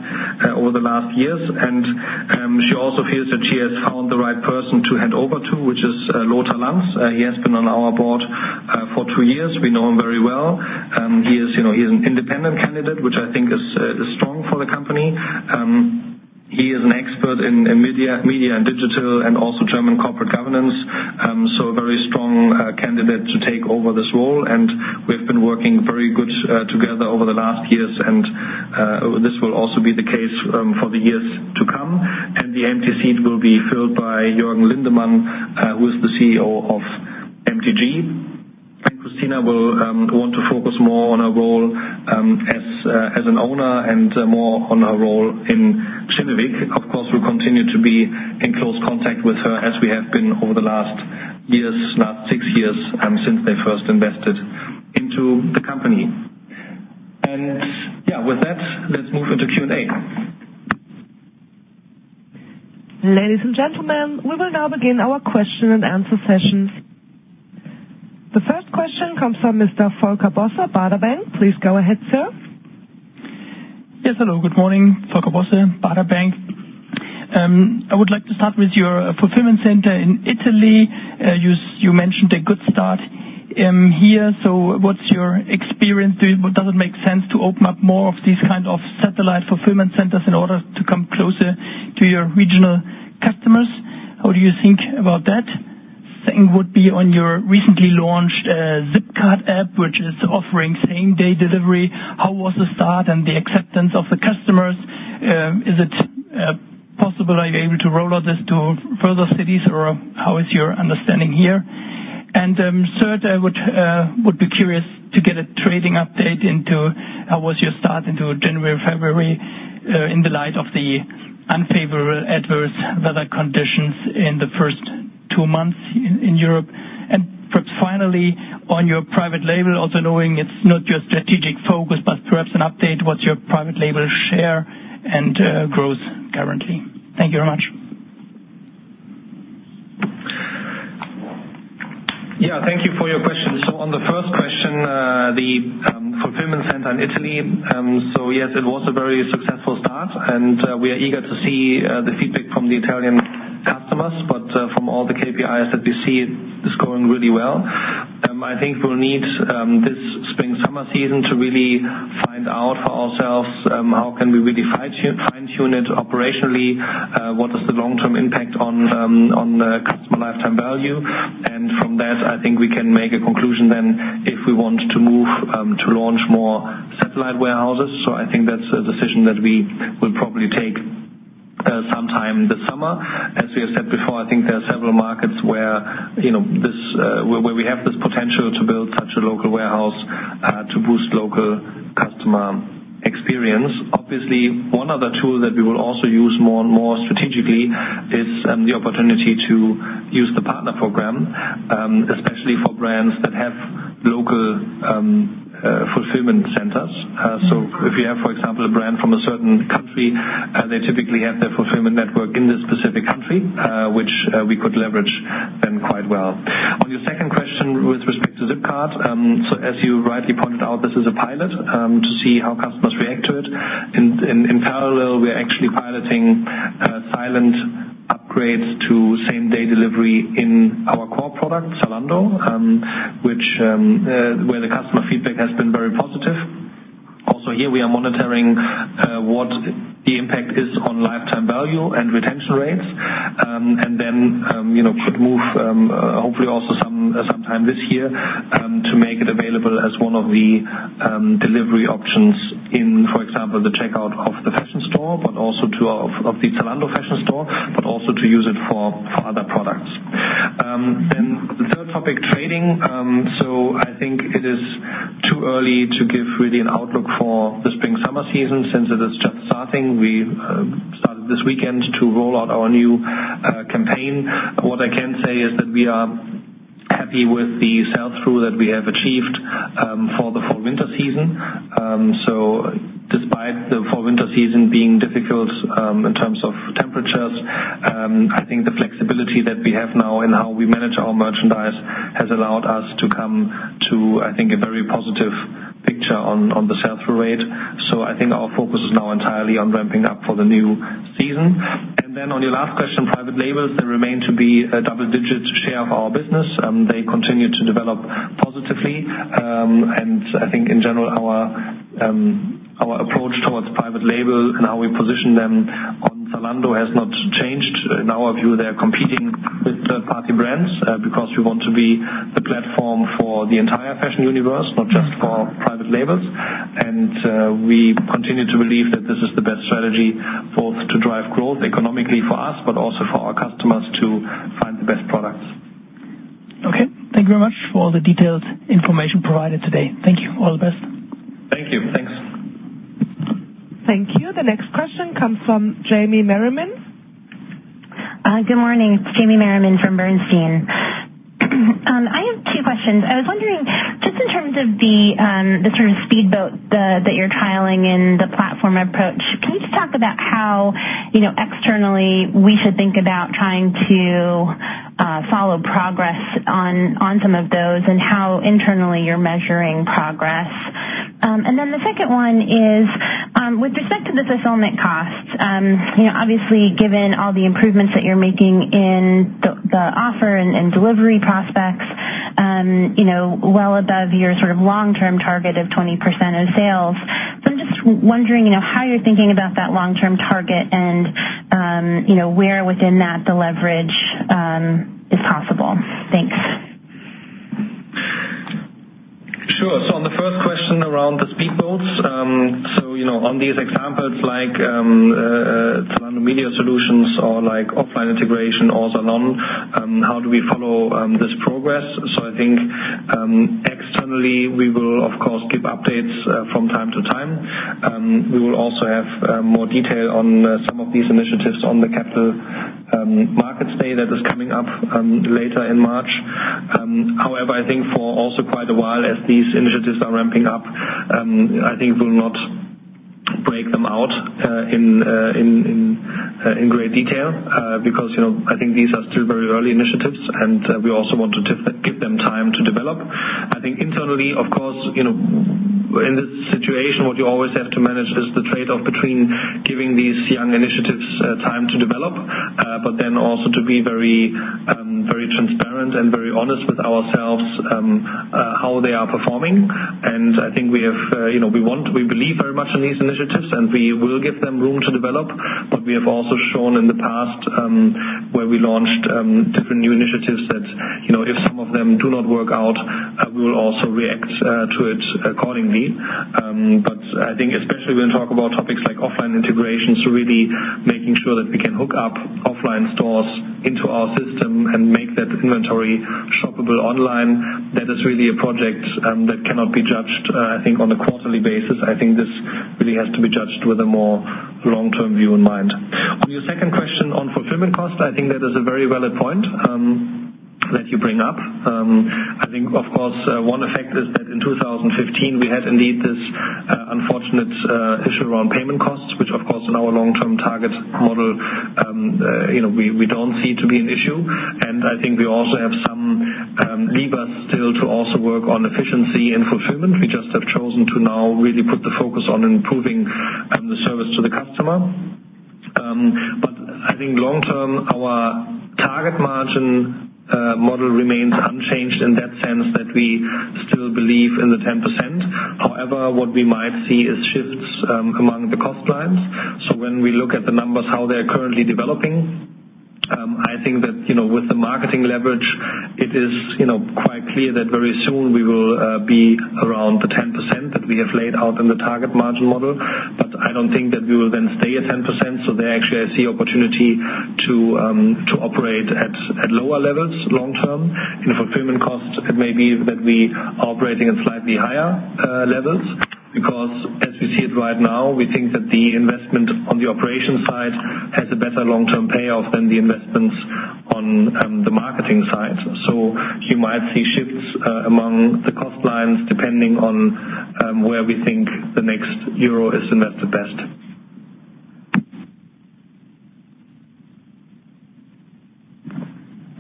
B: years. She also feels that she has found the right person to hand over to, which is Lothar Lanz. He has been on our board for two years. We know him very well. He's an independent candidate, which I think is strong for the company. He is an expert in media and digital and also German corporate governance. A very strong candidate to take over this role, and we've been working very good together over the last years. This will also be the case for the years to come. The empty seat will be filled by Jörn Lindemann, who is the CEO of MTG. Cristina will want to focus more on her role as an owner and more on her role in Kinnevik. Of course, we'll continue to be in close contact with her as we have been over the last years, last six years, since they first invested into the company. With that, let's move into Q&A.
C: Ladies and gentlemen, we will now begin our question and answer session. The first question comes from Mr. Volker Bosse, Baader Bank. Please go ahead, sir.
D: Yes, hello. Good morning. Volker Bosse, Baader Bank. I would like to start with your fulfillment center in Italy. You mentioned a good start here. What's your experience? Does it make sense to open up more of these kinds of satellite fulfillment centers in order to come closer to your regional customers? How do you think about that? Second would be on your recently launched Zipcart app, which is offering same-day delivery. How was the start and the acceptance of the customers? Is it possible, are you able to roll out this to further cities, or how is your understanding here? Third, I would be curious to get a trading update into how was your start into January, February in the light of the unfavorable adverse weather conditions in the first two months in Europe. Perhaps finally, on your private label, also knowing it's not your strategic focus, but perhaps an update, what's your private label share and growth currently? Thank you very much.
B: Thank you for your question. On the first question, the fulfillment center in Italy. Yes, it was a very successful start and we are eager to see the feedback from the Italian customers. From all the KPIs that we see, it's going really well. I think we'll need this spring/summer season to really find out for ourselves how can we really fine-tune it operationally? What is the long-term impact on customer lifetime value? From that, I think we can make a conclusion then if we want to launch more satellite warehouses. I think that's a decision that we will probably take sometime this summer. As we have said before, I think there are several markets where we have this potential to build such a local warehouse, to boost local customer experience. Obviously, one other tool that we will also use more and more strategically is the opportunity to use the partner program, especially for brands that have local fulfillment centers. If you have, for example, a brand from a certain country, they typically have their fulfillment network in this specific country, which we could leverage then quite well. On your second question with respect to Zipcart, as you rightly pointed out, this is a pilot, to see how customers react to it. In parallel, we are actually piloting silent upgrades to same-day delivery in our core product, Zalando, where the customer feedback has been very positive. Also here, we are monitoring what the impact is on lifetime value and retention rates. Then could move, hopefully also sometime this year, to make it available as one of the delivery options in, for example, the checkout of the fashion store. Also of the Zalando fashion store, but also to use it for other products. The third topic, trading. I think it is too early to give really an outlook for the spring/summer season since it is just starting. We started this weekend to roll out our new campaign. What I can say is that we are happy with the sell-through that we have achieved for the winter season. Despite the winter season being difficult in terms of temperatures, I think the flexibility that we have now in how we manage our merchandise has allowed us to come to, I think, a very positive picture on the sell-through rate. I think our focus is now entirely on ramping up for the new season. On your last question, private labels. They remain to be a double-digit share of our business. They continue to develop positively. I think in general, our approach towards private label and how we position them on Zalando has not changed. In our view, they're competing with third-party brands, because we want to be the platform for the entire fashion universe, not just for private labels. We continue to believe that this is the best strategy both to drive growth economically for us, but also for our customers to find the best products.
D: Okay. Thank you very much for all the detailed information provided today. Thank you. All the best.
B: Thank you. Thanks.
C: Thank you. The next question comes from Jamie Merriman.
E: Good morning. It's Jamie Merriman from Bernstein. I have two questions. I was wondering, just in terms of the sort of speedboat that you're trialing in the platform approach, can you just talk about how externally we should think about trying to follow progress on some of those, and how internally you're measuring progress? Then the second one is, with respect to the fulfillment costs, obviously given all the improvements that you're making in the offer and delivery prospects, well above your sort of long-term target of 20% of sales. I'm just wondering how you're thinking about that long-term target and where within that the leverage is possible. Thanks.
B: Sure. On the first question around the speedboats. On these examples like Zalando Media Solutions or offline integration or Zalando, how do we follow this progress? I think, externally, we will of course give updates from time to time. We will also have more detail on some of these initiatives on the capital markets day that is coming up later in March. However, I think for also quite a while as these initiatives are ramping up, I think we'll not break them out in great detail. Because I think these are still very early initiatives, and we also want to give them time to develop. I think internally, of course, in this situation, what you always have to manage is the trade-off between giving these young initiatives time to develop. Then also to be very transparent and very honest with ourselves, how they are performing. I think we believe very much in these initiatives, and we will give them room to develop. We have also shown in the past, where we launched different new initiatives that if some of them do not work out, we will also react to it accordingly. I think especially when you talk about topics like offline integrations, really making sure that we can hook up offline stores into our system and make that inventory shoppable online. That is really a project that cannot be judged I think on a quarterly basis. I think this really has to be judged with a more long-term view in mind. On your second question on fulfillment cost, I think that is a very valid point that you bring up. I think, of course, one effect is that in 2015, we had indeed this unfortunate issue around payment costs, which of course in our long-term target model we don't see to be an issue. I think we also have some levers still to also work on efficiency and fulfillment. We just have chosen to now really put the focus on improving the service to the customer. I think long term, our target margin model remains unchanged in that sense that we still believe in the 10%. However, what we might see is shifts among the cost lines. When we look at the numbers, how they're currently developing, I think that with the marketing leverage, it is quite clear that very soon we will be around the 10% that we have laid out in the target margin model. I don't think that we will then stay at 10%. There actually, I see opportunity to operate at lower levels long term. In fulfillment costs, it may be that we are operating at slightly higher levels because as we see it right now, we think that the investment on the operation side has a better long-term payoff than the investments on the marketing side. You might see shifts among the cost lines, depending on where we think the next euro is invested best.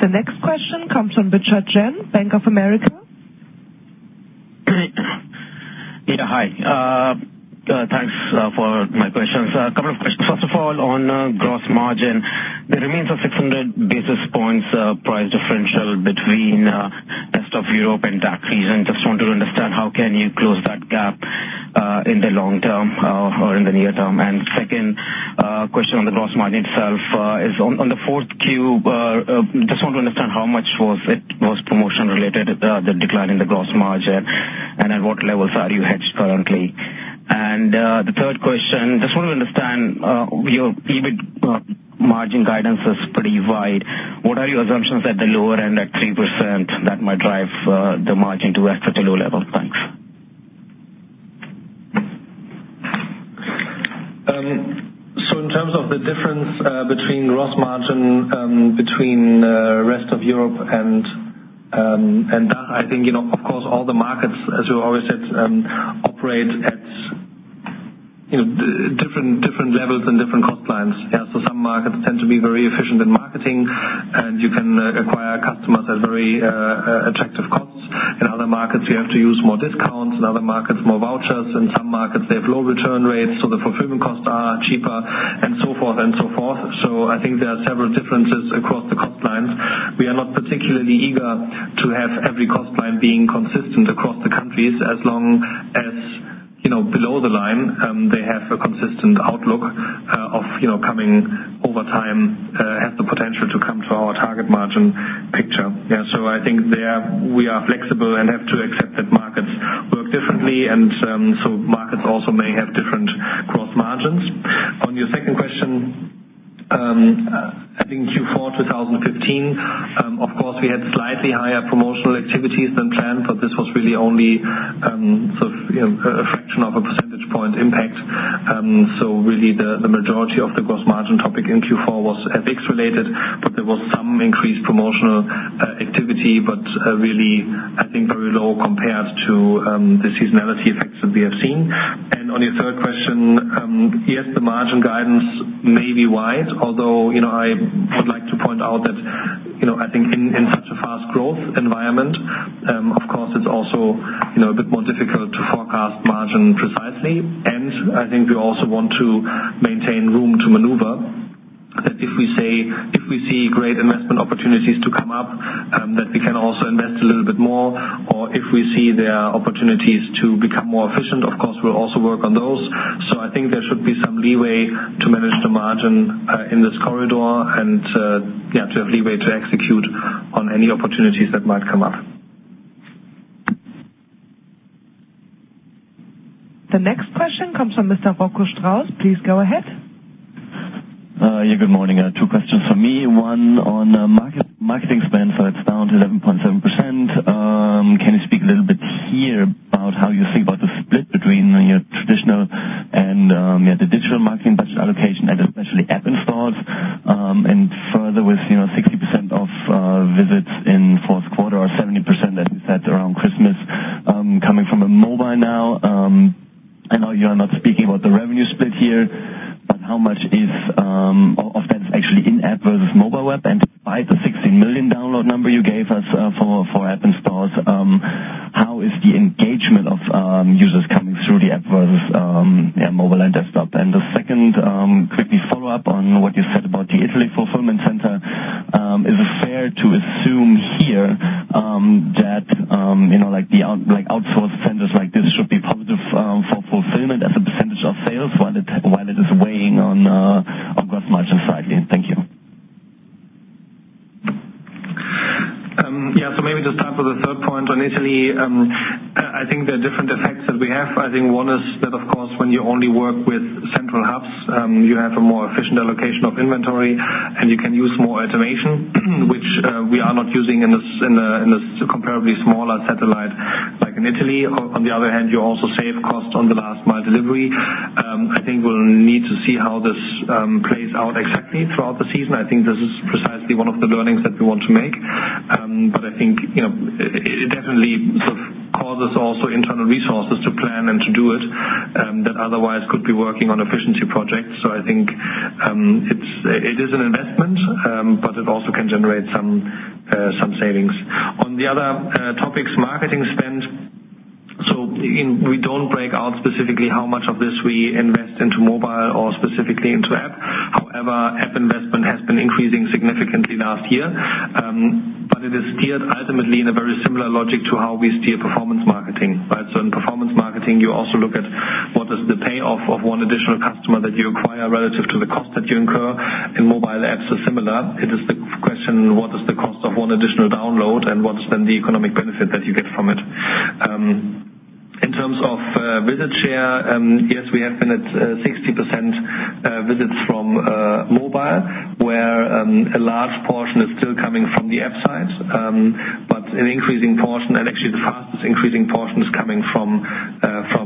C: The next question comes from Bichat Jain, Bank of America.
F: Yeah, hi. Thanks for my questions. A couple of questions. First of all, on gross margin, there remains a 600 basis points price differential between rest of Europe and DACH region. Just want to understand how can you close that gap in the long term or in the near term? Second question on the gross margin itself is on the fourth Q, just want to understand how much was promotion related, the decline in the gross margin, and at what levels are you hedged currently? The third question, just want to understand your EBIT margin guidance is pretty wide. What are your assumptions at the lower end at 3% that might drive the margin to rest at a low level? Thanks.
B: In terms of the difference between gross margin between rest of Europe and DACH, I think, of course, all the markets, as you always said, operate at different levels and different cost lines. Some markets tend to be very efficient in marketing, and you can acquire customers at very attractive costs. In other markets, you have to use more discounts. In other markets, more vouchers. In some markets, they have low return rates, so the fulfillment costs are cheaper and so forth and so forth. I think there are several differences across the cost lines. We are not particularly eager to have every cost line being consistent across the countries as long as below the line, they have a consistent outlook of coming over time, has the potential to come to our target margin picture. I think there we are flexible and have to accept that markets work differently, and markets also may have different gross margins. On your second question, I think Q4 2015, of course, we had slightly higher promotional activities than planned, but this was really only a fraction of a percentage point impact. Really the majority of the gross margin topic in Q4 was FX related, but there was some increased promotional activity. Really, I think very low compared to the seasonality effects that we have seen. On your third question, yes, the margin guidance may be wide, although, I would like to point out that, I think in such a fast growth environment, of course, it's also a bit more difficult to forecast margin precisely. I think we also want to maintain room to maneuver that if we see great investment opportunities to come up, that we can also invest a little bit more. If we see there are opportunities to become more efficient, of course, we'll also work on those. I think there should be some leeway to manage the margin in this corridor and to have leeway to execute on any opportunities that might come up.
C: The next question comes from Mr. Rocco Strauss. Please go ahead.
G: Good morning. Two questions for me. One on marketing spend. It's down to 11.7%. Can you speak a little bit here about how you think about the split between your traditional and the digital marketing budget allocation and especially app installs? Further with 60% of visits in fourth quarter or 70% as you said around Christmas, coming from a mobile now. I know you are not speaking about the revenue split here, but how much of that is actually in app versus mobile web and by the 60 million download number you gave us for app installs, how is the engagement of users coming through the app versus mobile and desktop? The second, quickly follow up on what you said about the Italy fulfillment center. Is it fair to assume here that outsourced centers like this should be positive for fulfillment as a percentage of sales while it is weighing on gross margin slightly? Thank you.
B: Maybe to start with the third point on Italy. I think there are different effects that we have. I think one is that, of course, when you only work with central hubs, you have a more efficient allocation of inventory and you can use more automation which we are not using in this comparably smaller satellite like in Italy. On the other hand, you also save costs on the last mile delivery. I think we'll need to see how this plays out exactly throughout the season. I think this is precisely one of the learnings that we want to make. I think it definitely sort of causes also internal resources to plan and to do it, that otherwise could be working on efficiency projects. I think it is an investment, but it also can generate some savings. On the other topics, marketing spend. We don't break out specifically how much of this we invest into mobile or specifically into app. However, app investment has been increasing significantly last year. It is steered ultimately in a very similar logic to how we steer performance marketing. In performance marketing, you also look at what is the payoff of one additional customer that you acquire relative to the cost that you incur, and mobile apps are similar. It is the question, what is the cost of one additional download and what is then the economic benefit that you get from it? In terms of visit share, yes, we have been at 60% visits from mobile, where a large portion is still coming from the app side. An increasing portion, and actually the fastest increasing portion, is coming from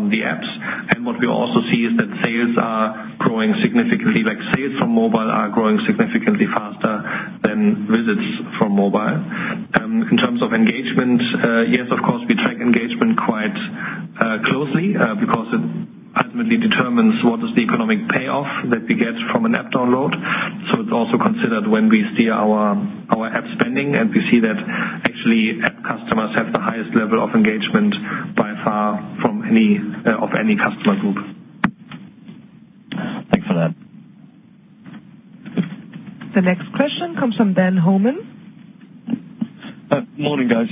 B: the apps. What we also see is that sales from mobile are growing significantly faster than visits from mobile. In terms of engagement, yes, of course, we track engagement quite closely because it ultimately determines what is the economic payoff that we get from an app download. It is also considered when we steer our app spending, and we see that actually app customers have the highest level of engagement by far of any customer group.
G: Thanks for that.
C: The next question comes from [Ben Holman].
H: Morning, guys.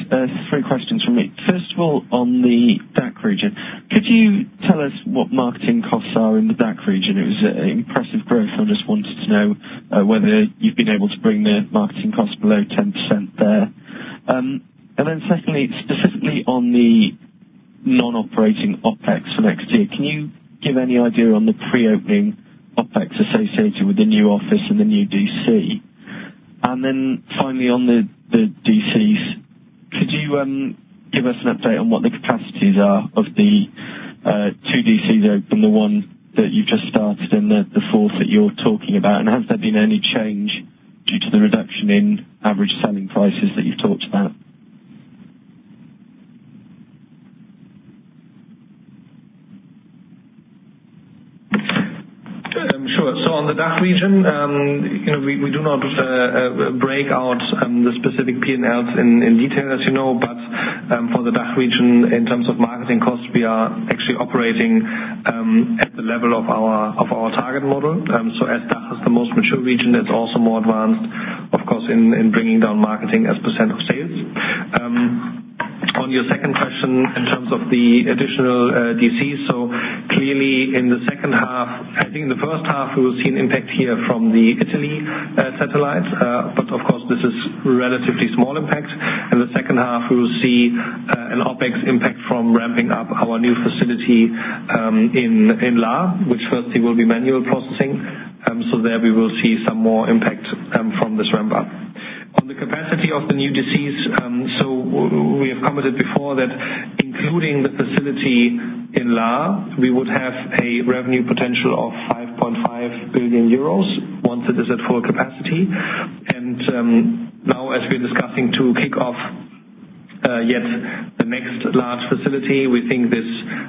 H: Three questions from me. First of all, on the DACH region, could you tell us what marketing costs are in the DACH region? It was impressive growth. I just wanted to know whether you've been able to bring the marketing cost below 10% there. Secondly, specifically on the non-operating OpEx for next year, can you give any idea on the pre-opening OpEx associated with the new office and the new DC? Finally on the DCs, could you give us an update on what the capacities are of the two DCs open, the one that you've just started and the fourth that you're talking about? Has there been any change due to the reduction in average selling prices that you've talked about?
B: Sure. On the DACH region, we do not break out the specific P&Ls in detail, as you know. For the DACH region, in terms of marketing costs, we are actually operating at the level of our target model. As DACH is the most mature region, it's also more advanced, of course, in bringing down marketing as % of sales. On your second question, in terms of the additional DCs. Clearly, I think in the first half, we will see an impact here from the Italy satellite. But of course, this is a relatively small impact. In the second half, we will see an OpEx impact from ramping up our new facility in Lahr, which firstly will be manual processing. There we will see some more impact from this ramp-up. On the capacity of the new DCs, we have commented before that including the facility in Lahr, we would have a revenue potential of 5.5 billion euros once it is at full capacity. Now as we're discussing to kick off yet the next large facility, we think this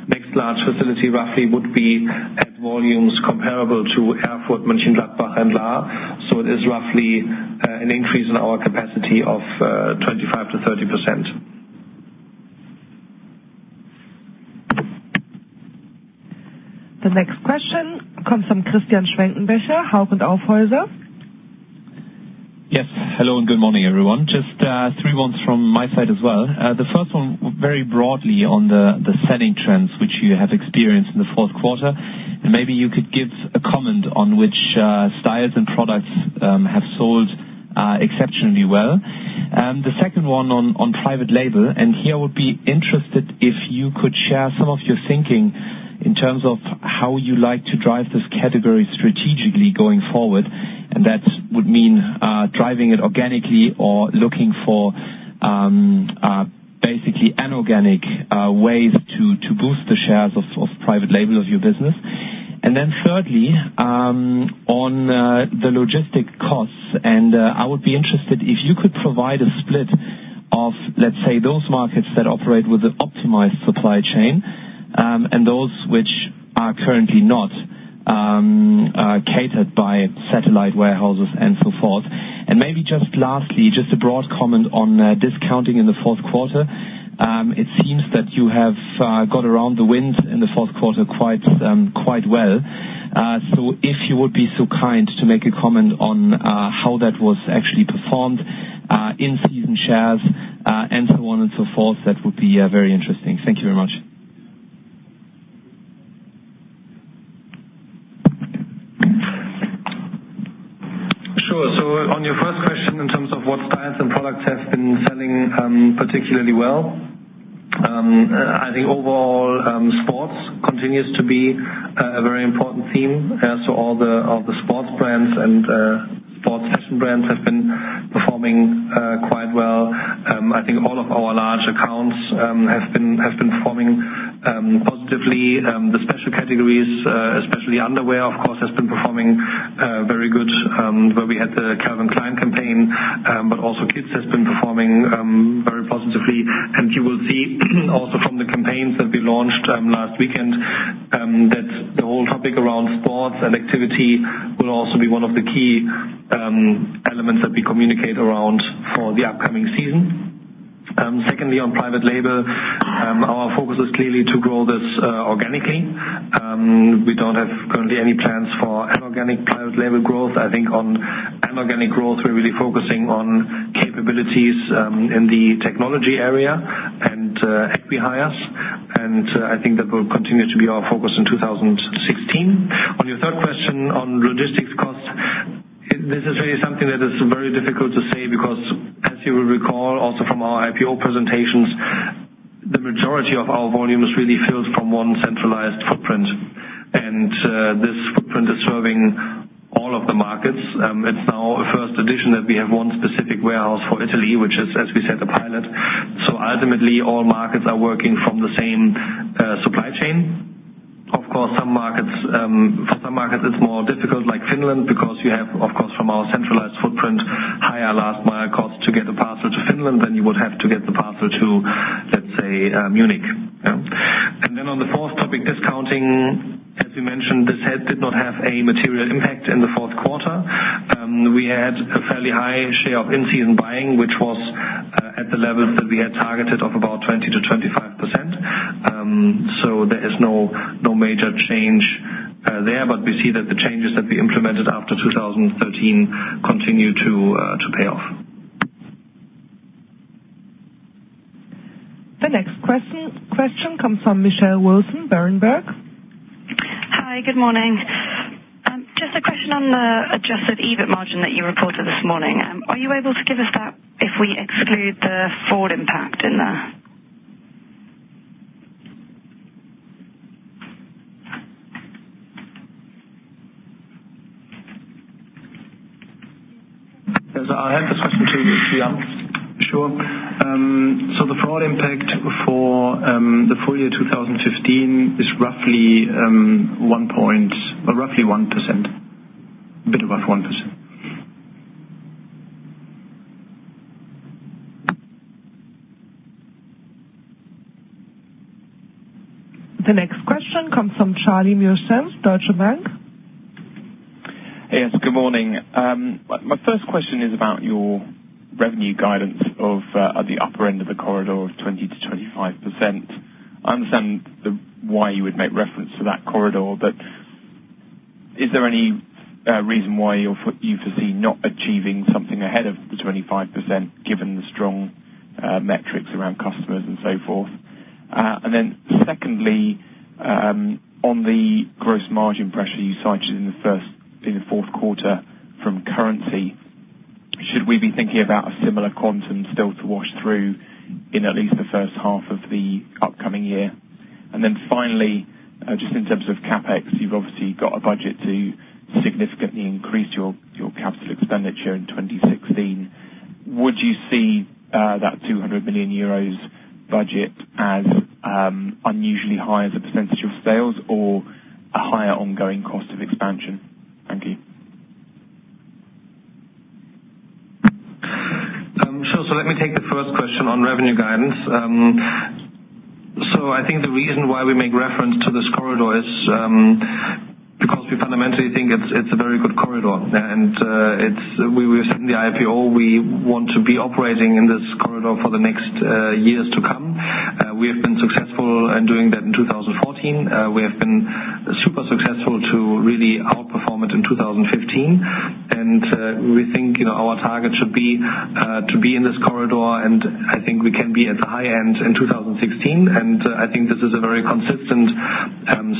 B: next large facility roughly would be at volumes comparable to Erfurt, Mönchengladbach, and Lahr. It is roughly an increase in our capacity of 25%-30%.
C: The next question comes from Christian Schwenkenbecher, Hauck & Aufhäuser.
I: Yes. Hello, and good morning, everyone. Just three ones from my side as well. The first one, very broadly on the selling trends which you have experienced in the fourth quarter. Maybe you could give a comment on which styles and products have sold exceptionally well. The second one on private label, and here I would be interested if you could share some of your thinking in terms of how you like to drive this category strategically going forward. That would mean driving it organically or looking for basically inorganic ways to boost the shares of private label of your business. Then thirdly, on the logistics costs. I would be interested if you could provide a split of, let's say, those markets that operate with an optimized supply chain, and those which are currently not catered by satellite warehouses and so forth. Maybe just lastly, just a broad comment on discounting in the fourth quarter. It seems that you have got around the wind in the fourth quarter quite well. If you would be so kind to make a comment on how that was actually performed in-season shares, and so on and so forth, that would be very interesting. Thank you very much.
B: Sure. On your first question in terms of what styles and products have been selling particularly well. I think overall, sports continues to be a very important theme. All the sports brands and sports fashion brands have been performing quite well. I think all of our large accounts have been performing positively. The special categories, especially underwear, of course, has been performing very good, where we had the Calvin Klein campaign. Also kids has been performing very positively. You will see also from the campaigns that we launched last weekend Topic around sports and activity will also be one of the key elements that we communicate around for the upcoming season. Secondly, on private label, our focus is clearly to grow this organically. We don't have currently any plans for inorganic private label growth. I think on inorganic growth, we're really focusing on capabilities in the technology area and acqui-hires, and I think that will continue to be our focus in 2016. On your third question on logistics costs, this is really something that is very difficult to say because as you will recall also from our IPO presentations, the majority of our volume is really filled from one centralized footprint. This footprint is serving all of the markets. It's now a first edition that we have one specific warehouse for Italy, which is, as we said, a pilot. Ultimately, all markets are working from the same supply chain. For some markets, it's more difficult, like Finland, because you have, of course, from our centralized footprint, higher last mile cost to get a parcel to Finland than you would have to get the parcel to, let's say, Munich. On the fourth topic, discounting, as we mentioned, this did not have a material impact in the fourth quarter. We had a fairly high share of in-season buying, which was at the levels that we had targeted of about 20%-25%. There is no major change there, but we see that the changes that we implemented after 2013 continue to pay off.
C: The next question comes from Michelle Wilson, Berenberg.
J: Hi, good morning. Just a question on the adjusted EBIT margin that you reported this morning. Are you able to give us that if we exclude the fraud impact in there?
B: Yes, I'll hand this question to Jan.
K: Sure. The fraud impact for the full year 2015 is roughly 1%, a bit above 1%.
C: The next question comes from Charlie Mierschin, Deutsche Bank.
L: Yes, good morning. My first question is about your revenue guidance of at the upper end of the corridor of 20%-25%. Is there any reason why you foresee not achieving something ahead of the 25%, given the strong metrics around customers and so forth? Secondly, on the gross margin pressure you cited in the fourth quarter from currency, should we be thinking about a similar quantum still to wash through in at least the first half of the upcoming year? Finally, just in terms of CapEx, you've obviously got a budget to significantly increase your capital expenditure in 2016. Would you see that 200 million euros budget as unusually high as a % of sales or a higher ongoing cost of expansion? Thank you.
B: Sure. Let me take the first question on revenue guidance. I think the reason why we make reference to this corridor is because we fundamentally think it's a very good corridor. We said in the IPO, we want to be operating in this corridor for the next years to come. We have been successful in doing that in 2014. We have been super successful to really outperform it in 2015. We think our target should be to be in this corridor, and I think we can be at the high end in 2016. I think this is a very consistent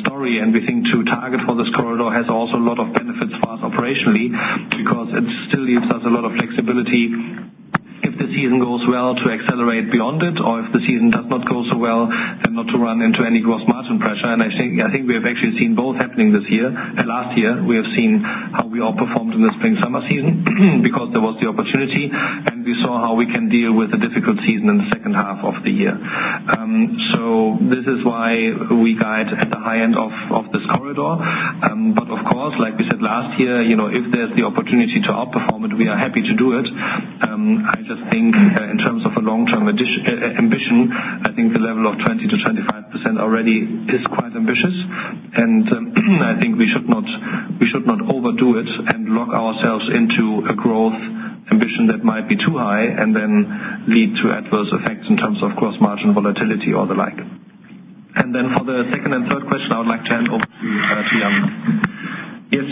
B: story, we think to target for this corridor has also a lot of benefits for us operationally because it still leaves us a lot of flexibility if the season goes well to accelerate beyond it, if the season does not go so well, not to run into any gross margin pressure. I think we have actually seen both happening this year and last year. We have seen how we all performed in the spring-summer season because there was the opportunity, and we saw how we can deal with a difficult season in the second half of the year. This is why we guide at the high end of this corridor. Of course, like we said last year, if there's the opportunity to outperform it, we are happy to do it. I just think in terms of a long-term ambition, I think the level of 20%-25% already is quite ambitious. I think we should not overdo it and lock ourselves into a growth ambition that might be too high and then lead to adverse effects in terms of gross margin volatility or the like. For the second and third question, I would like to hand over to Jan.
K: Yes.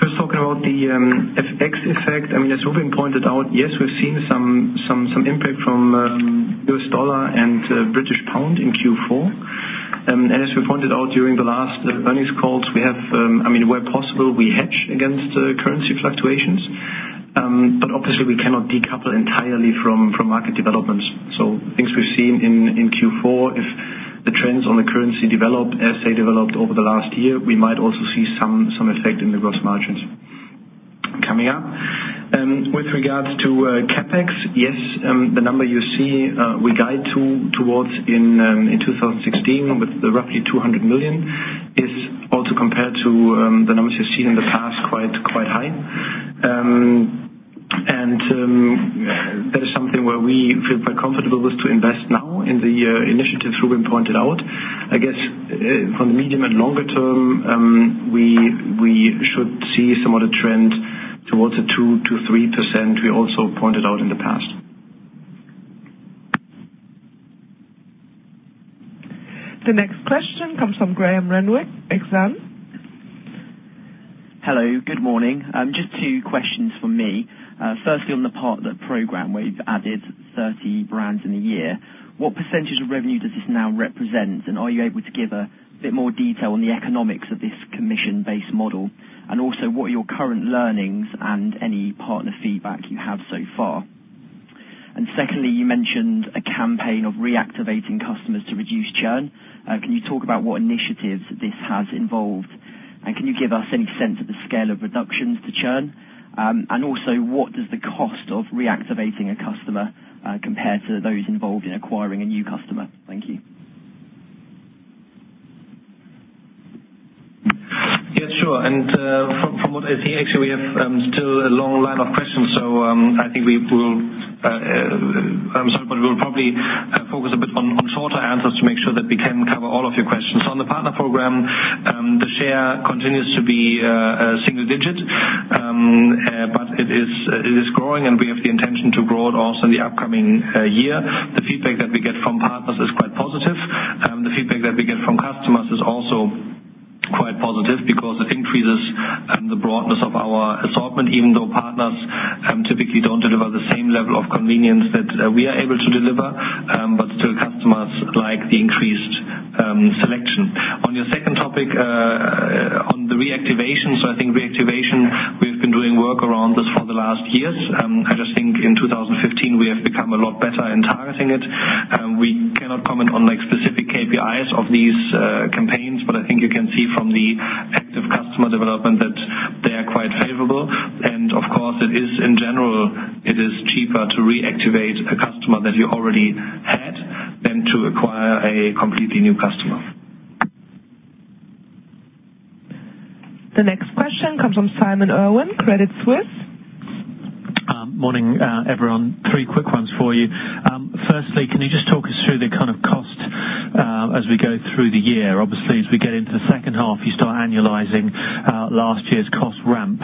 K: First talking about the FX effect, as Rubin pointed out, yes, we've seen some impact from US dollar and British pound in Q4. As we pointed out during the last earnings calls, where possible, we hedge against currency fluctuations. Obviously, we cannot decouple entirely from market developments. Things we've seen in Q4, if the trends on the currency develop as they developed over the last year, we might also see some effect in the gross margins coming up. With regards to CapEx, yes, the number you see we guide towards in 2016 with roughly 200 million is also compared to the numbers you've seen in the past, quite high. That is something where we feel quite comfortable with to invest now in the initiatives Rubin pointed out. I guess, from the medium and longer term, we should see somewhat a trend towards the 2%-3% we also pointed out in the past.
C: The next question comes from Graham Renwick, Exane.
M: Hello, good morning. Just two questions from me. Firstly, on the partner program where you've added 30 brands in a year, what percentage of revenue does this now represent? Are you able to give a bit more detail on the economics of this commission-based model? What are your current learnings and any partner feedback you have so far? Secondly, you mentioned a campaign of reactivating customers to reduce churn. Can you talk about what initiatives this has involved? Can you give us any sense of the scale of reductions to churn? What does the cost of reactivating a customer compare to those involved in acquiring a new customer? Thank you.
B: Yeah, sure. Actually, we have still a long line of questions, I think we will probably focus a bit on shorter answers to make sure that we can cover all of your questions. On the partner program, the share continues to be single digit. It is growing, and we have the intention to grow it also in the upcoming year. The feedback that we get from partners is quite positive. The feedback that we get from customers is also quite positive because it increases the broadness of our assortment, even though partners typically don't deliver the same level of convenience that we are able to deliver. Still, customers like the increased selection. On your second topic, on the reactivation. I think reactivation, we've been doing work around this for the last years. I just think in 2015, we have become a lot better in targeting it. We cannot comment on specific KPIs of these campaigns, but I think you can see from the active customer development that they are quite favorable. Of course, it is in general, it is cheaper to reactivate a customer that you already had than to acquire a completely new customer.
C: The next question comes from Simon Irwin, Credit Suisse.
N: Morning, everyone. Three quick ones for you. Firstly, can you just talk us through the cost as we go through the year? Obviously, as we get into the second half, you start annualizing last year's cost ramp.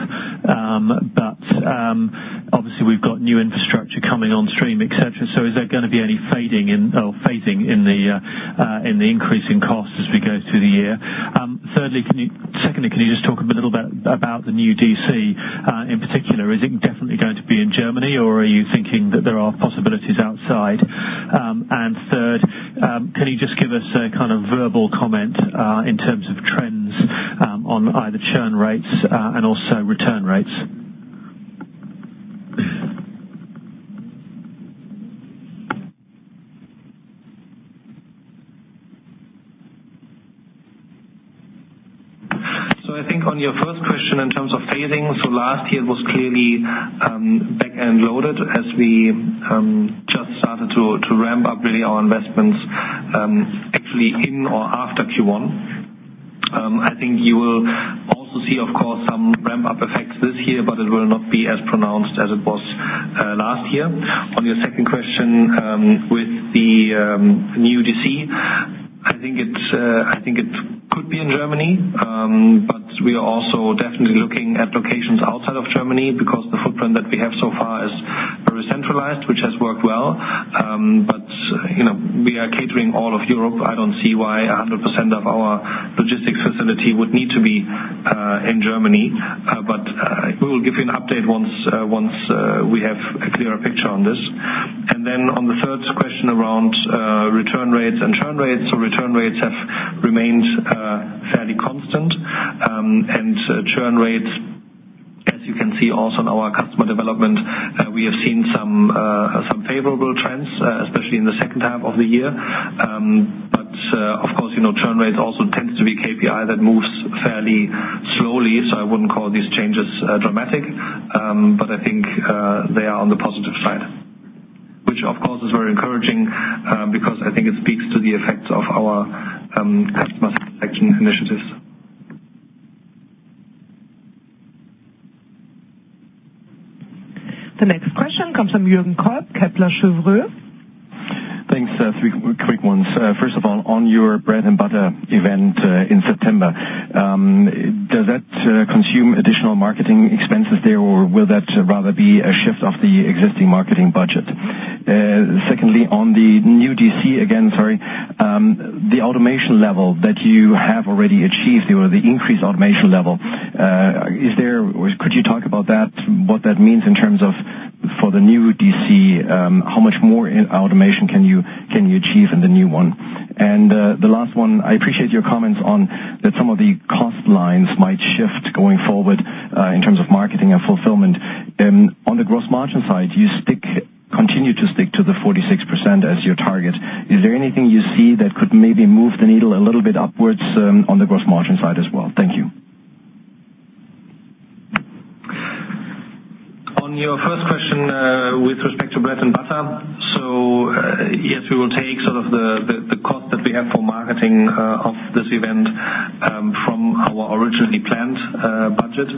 N: Obviously, we've got new infrastructure coming on stream, et cetera. Is there going to be any fading in the increase in costs as we go through the year? Secondly, can you just talk a little bit about the new DC in particular? Is it definitely going to be in Germany, or are you thinking that there are possibilities outside? Third, can you just give us a verbal comment in terms of trends on either churn rates and also return rates?
B: I think on your first question in terms of phasing, last year was clearly back-end loaded as we just started to ramp up really our investments actually in or after Q1. I think you will also see, of course, some ramp-up effects this year, but it will not be as pronounced as it was last year. On your second question with the new DC, I think it could be in Germany. We are also definitely looking at locations outside of Germany because the footprint that we have so far is very centralized, which has worked well. We are catering all of Europe. I don't see why 100% of our logistics facility would need to be in Germany. We will give you an update once we have a clearer picture on this. Then on the third question around return rates and churn rates. Return rates have remained fairly constant. Churn rates, as you can see also in our customer development, we have seen some favorable trends, especially in the second half of the year. Of course, churn rate also tends to be a KPI that moves fairly slowly, so I wouldn't call these changes dramatic. I think they are on the positive side, which, of course, is very encouraging because I think it speaks to the effects of our customer selection initiatives.
C: The next question comes from Jürgen Kolb, Kepler Cheuvreux.
O: Thanks. Three quick ones. First of all, on your Bread & Butter event in September, does that consume additional marketing expenses there, or will that rather be a shift of the existing marketing budget? Secondly, on the new DC, again, sorry. The automation level that you have already achieved or the increased automation level, could you talk about that? What that means in terms of for the new DC, how much more automation can you achieve in the new one? The last one, I appreciate your comments on that some of the cost lines might shift going forward in terms of marketing and fulfillment. On the gross margin side, you continue to stick to the 46% as your target. Is there anything you see that could maybe move the needle a little bit upwards on the gross margin side as well? Thank you.
B: Your first question with respect to Bread & Butter. Yes, we will take some of the cost that we have for marketing of this event Our originally planned budget.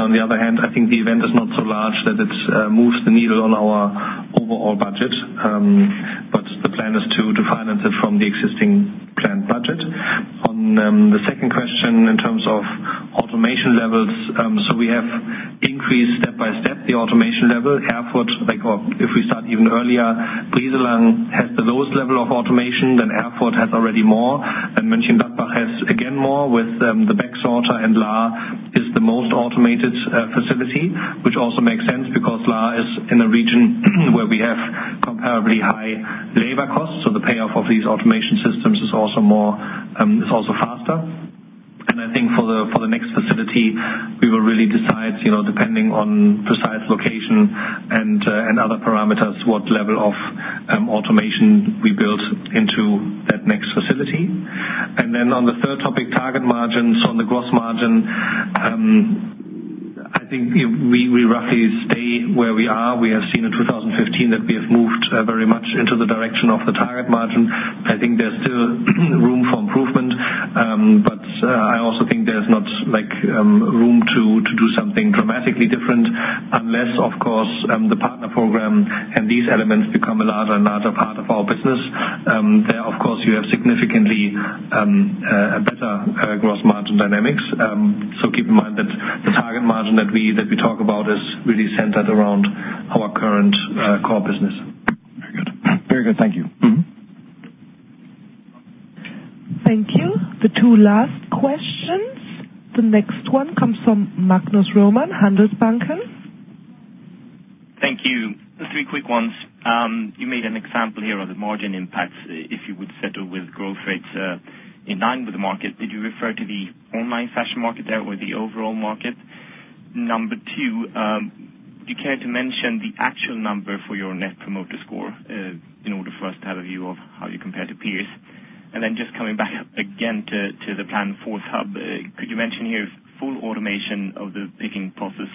B: On the other hand, I think the event is not so large that it moves the needle on our overall budget. The plan is to finance it from the existing planned budget. Your second question, in terms of automation levels, we have increased step by step the automation level. Erfurt, or if we start even earlier, Brieselang has the lowest level of automation, then Erfurt has already more, and Mönchengladbach has, again, more with the bag sorter and Lahr is the most automated facility. Which also makes sense because Lahr is in a region where we have comparably high labor costs, so the payoff of these automation systems is also faster. I think for the next facility, we will really decide, depending on precise location and other parameters, what level of automation we build into that next facility. On the third topic, target margins on the gross margin. I think we roughly stay where we are. We have seen in 2015 that we have moved very much into the direction of the target margin. I think there's still room for improvement, but I also think there's not room to do something dramatically different unless, of course, the partner program and these elements become a larger and larger part of our business. There, of course, you have significantly better gross margin dynamics. Keep in mind that the target margin that we talk about is really centered around our current core business.
O: Very good. Thank you. Mm-hmm.
C: Thank you. The two last questions. The next one comes from Magnus Roman, Handelsbanken.
P: Thank you. Just three quick ones. You made an example here of the margin impacts if you would settle with growth rates in line with the market. Did you refer to the online fashion market there or the overall market? Number 2, do you care to mention the actual number for your net promoter score in order for us to have a view of how you compare to peers? Just coming back up again to the planned fourth hub, could you mention here if full automation of the picking process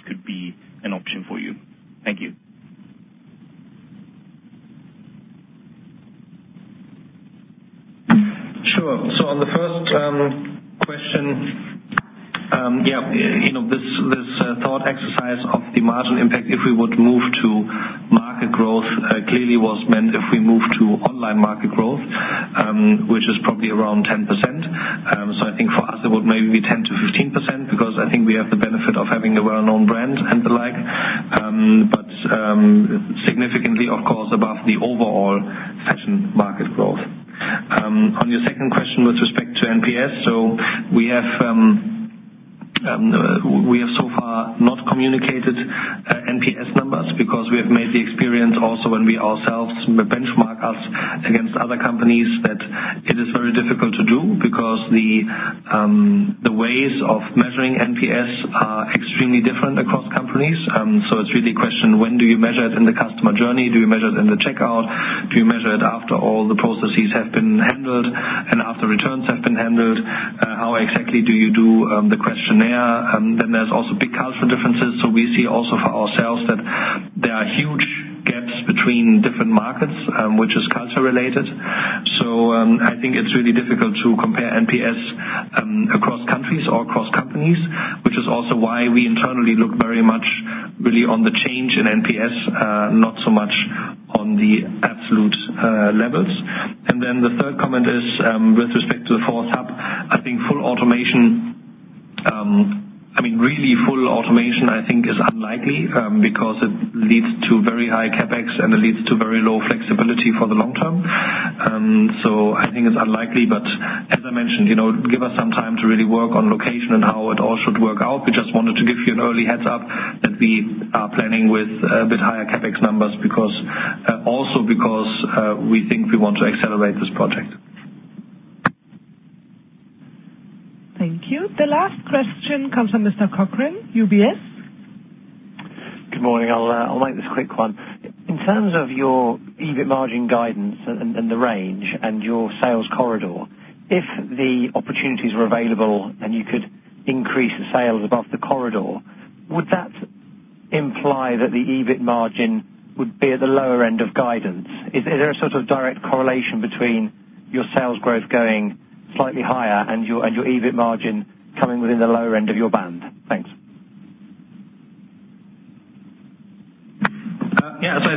P: could be an option for you? Thank you.
B: Sure. On the first question, this thought exercise of the margin impact if we would move to market growth clearly was meant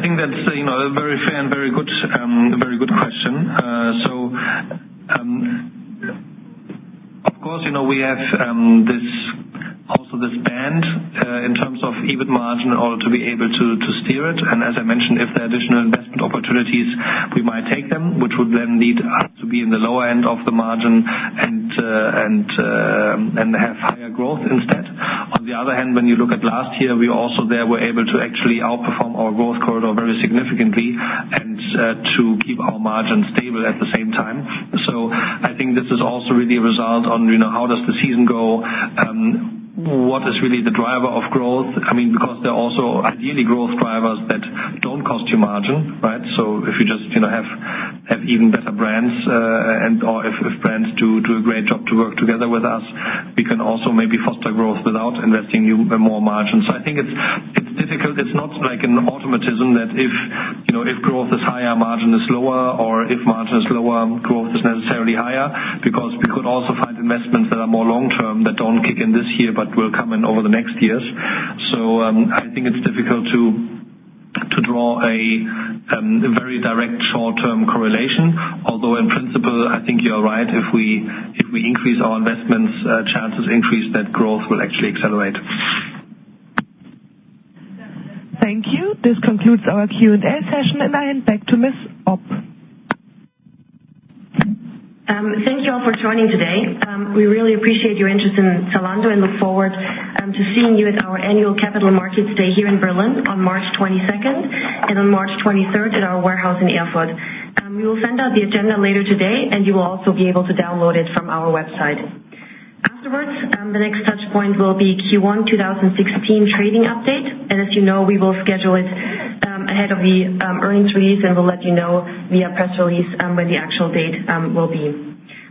Q: Thanks.
B: Yeah. I think that's a very fair and very good question. Of course, we have also this band in terms of EBIT margin in order to be able to steer it, as I mentioned, if there are additional investment opportunities, we might take them, which would then lead us to be in the lower end of the margin and have higher growth instead. On the other hand, when you look at last year, we also there were able to actually outperform our growth corridor very significantly and to keep our margin stable at the same time. I think this is also really a result on how does the season go, what is really the driver of growth? Because there are also ideally growth drivers that don't cost you margin, right? If you just have even better brands or if brands do a great job to work together with us, we can also maybe foster growth without investing more margins. I think it's difficult. It's not like an automatism that if growth is higher, margin is lower, or if margin is lower, growth is necessarily higher, because we could also find investments that are more long-term, that don't kick in this year, but will come in over the next years. I think it's difficult to draw a very direct short-term correlation, although in principle, I think you're right. If we increase our investments, chances increase that growth will actually accelerate.
C: Thank you. This concludes our Q&A session, I hand back to Ms. Opp.
A: Thank you all for joining today. We really appreciate your interest in Zalando and look forward to seeing you at our annual Capital Markets Day here in Berlin on March 22nd and on March 23rd at our warehouse in Erfurt. We will send out the agenda later today, and you will also be able to download it from our website. Afterwards, the next touchpoint will be Q1 2016 trading update. As you know, we will schedule it ahead of the earnings release, we'll let you know via press release when the actual date will be.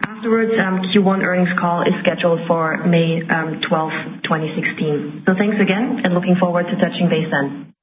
A: Afterwards, Q1 earnings call is scheduled for May 12th, 2016. Thanks again and looking forward to touching base then.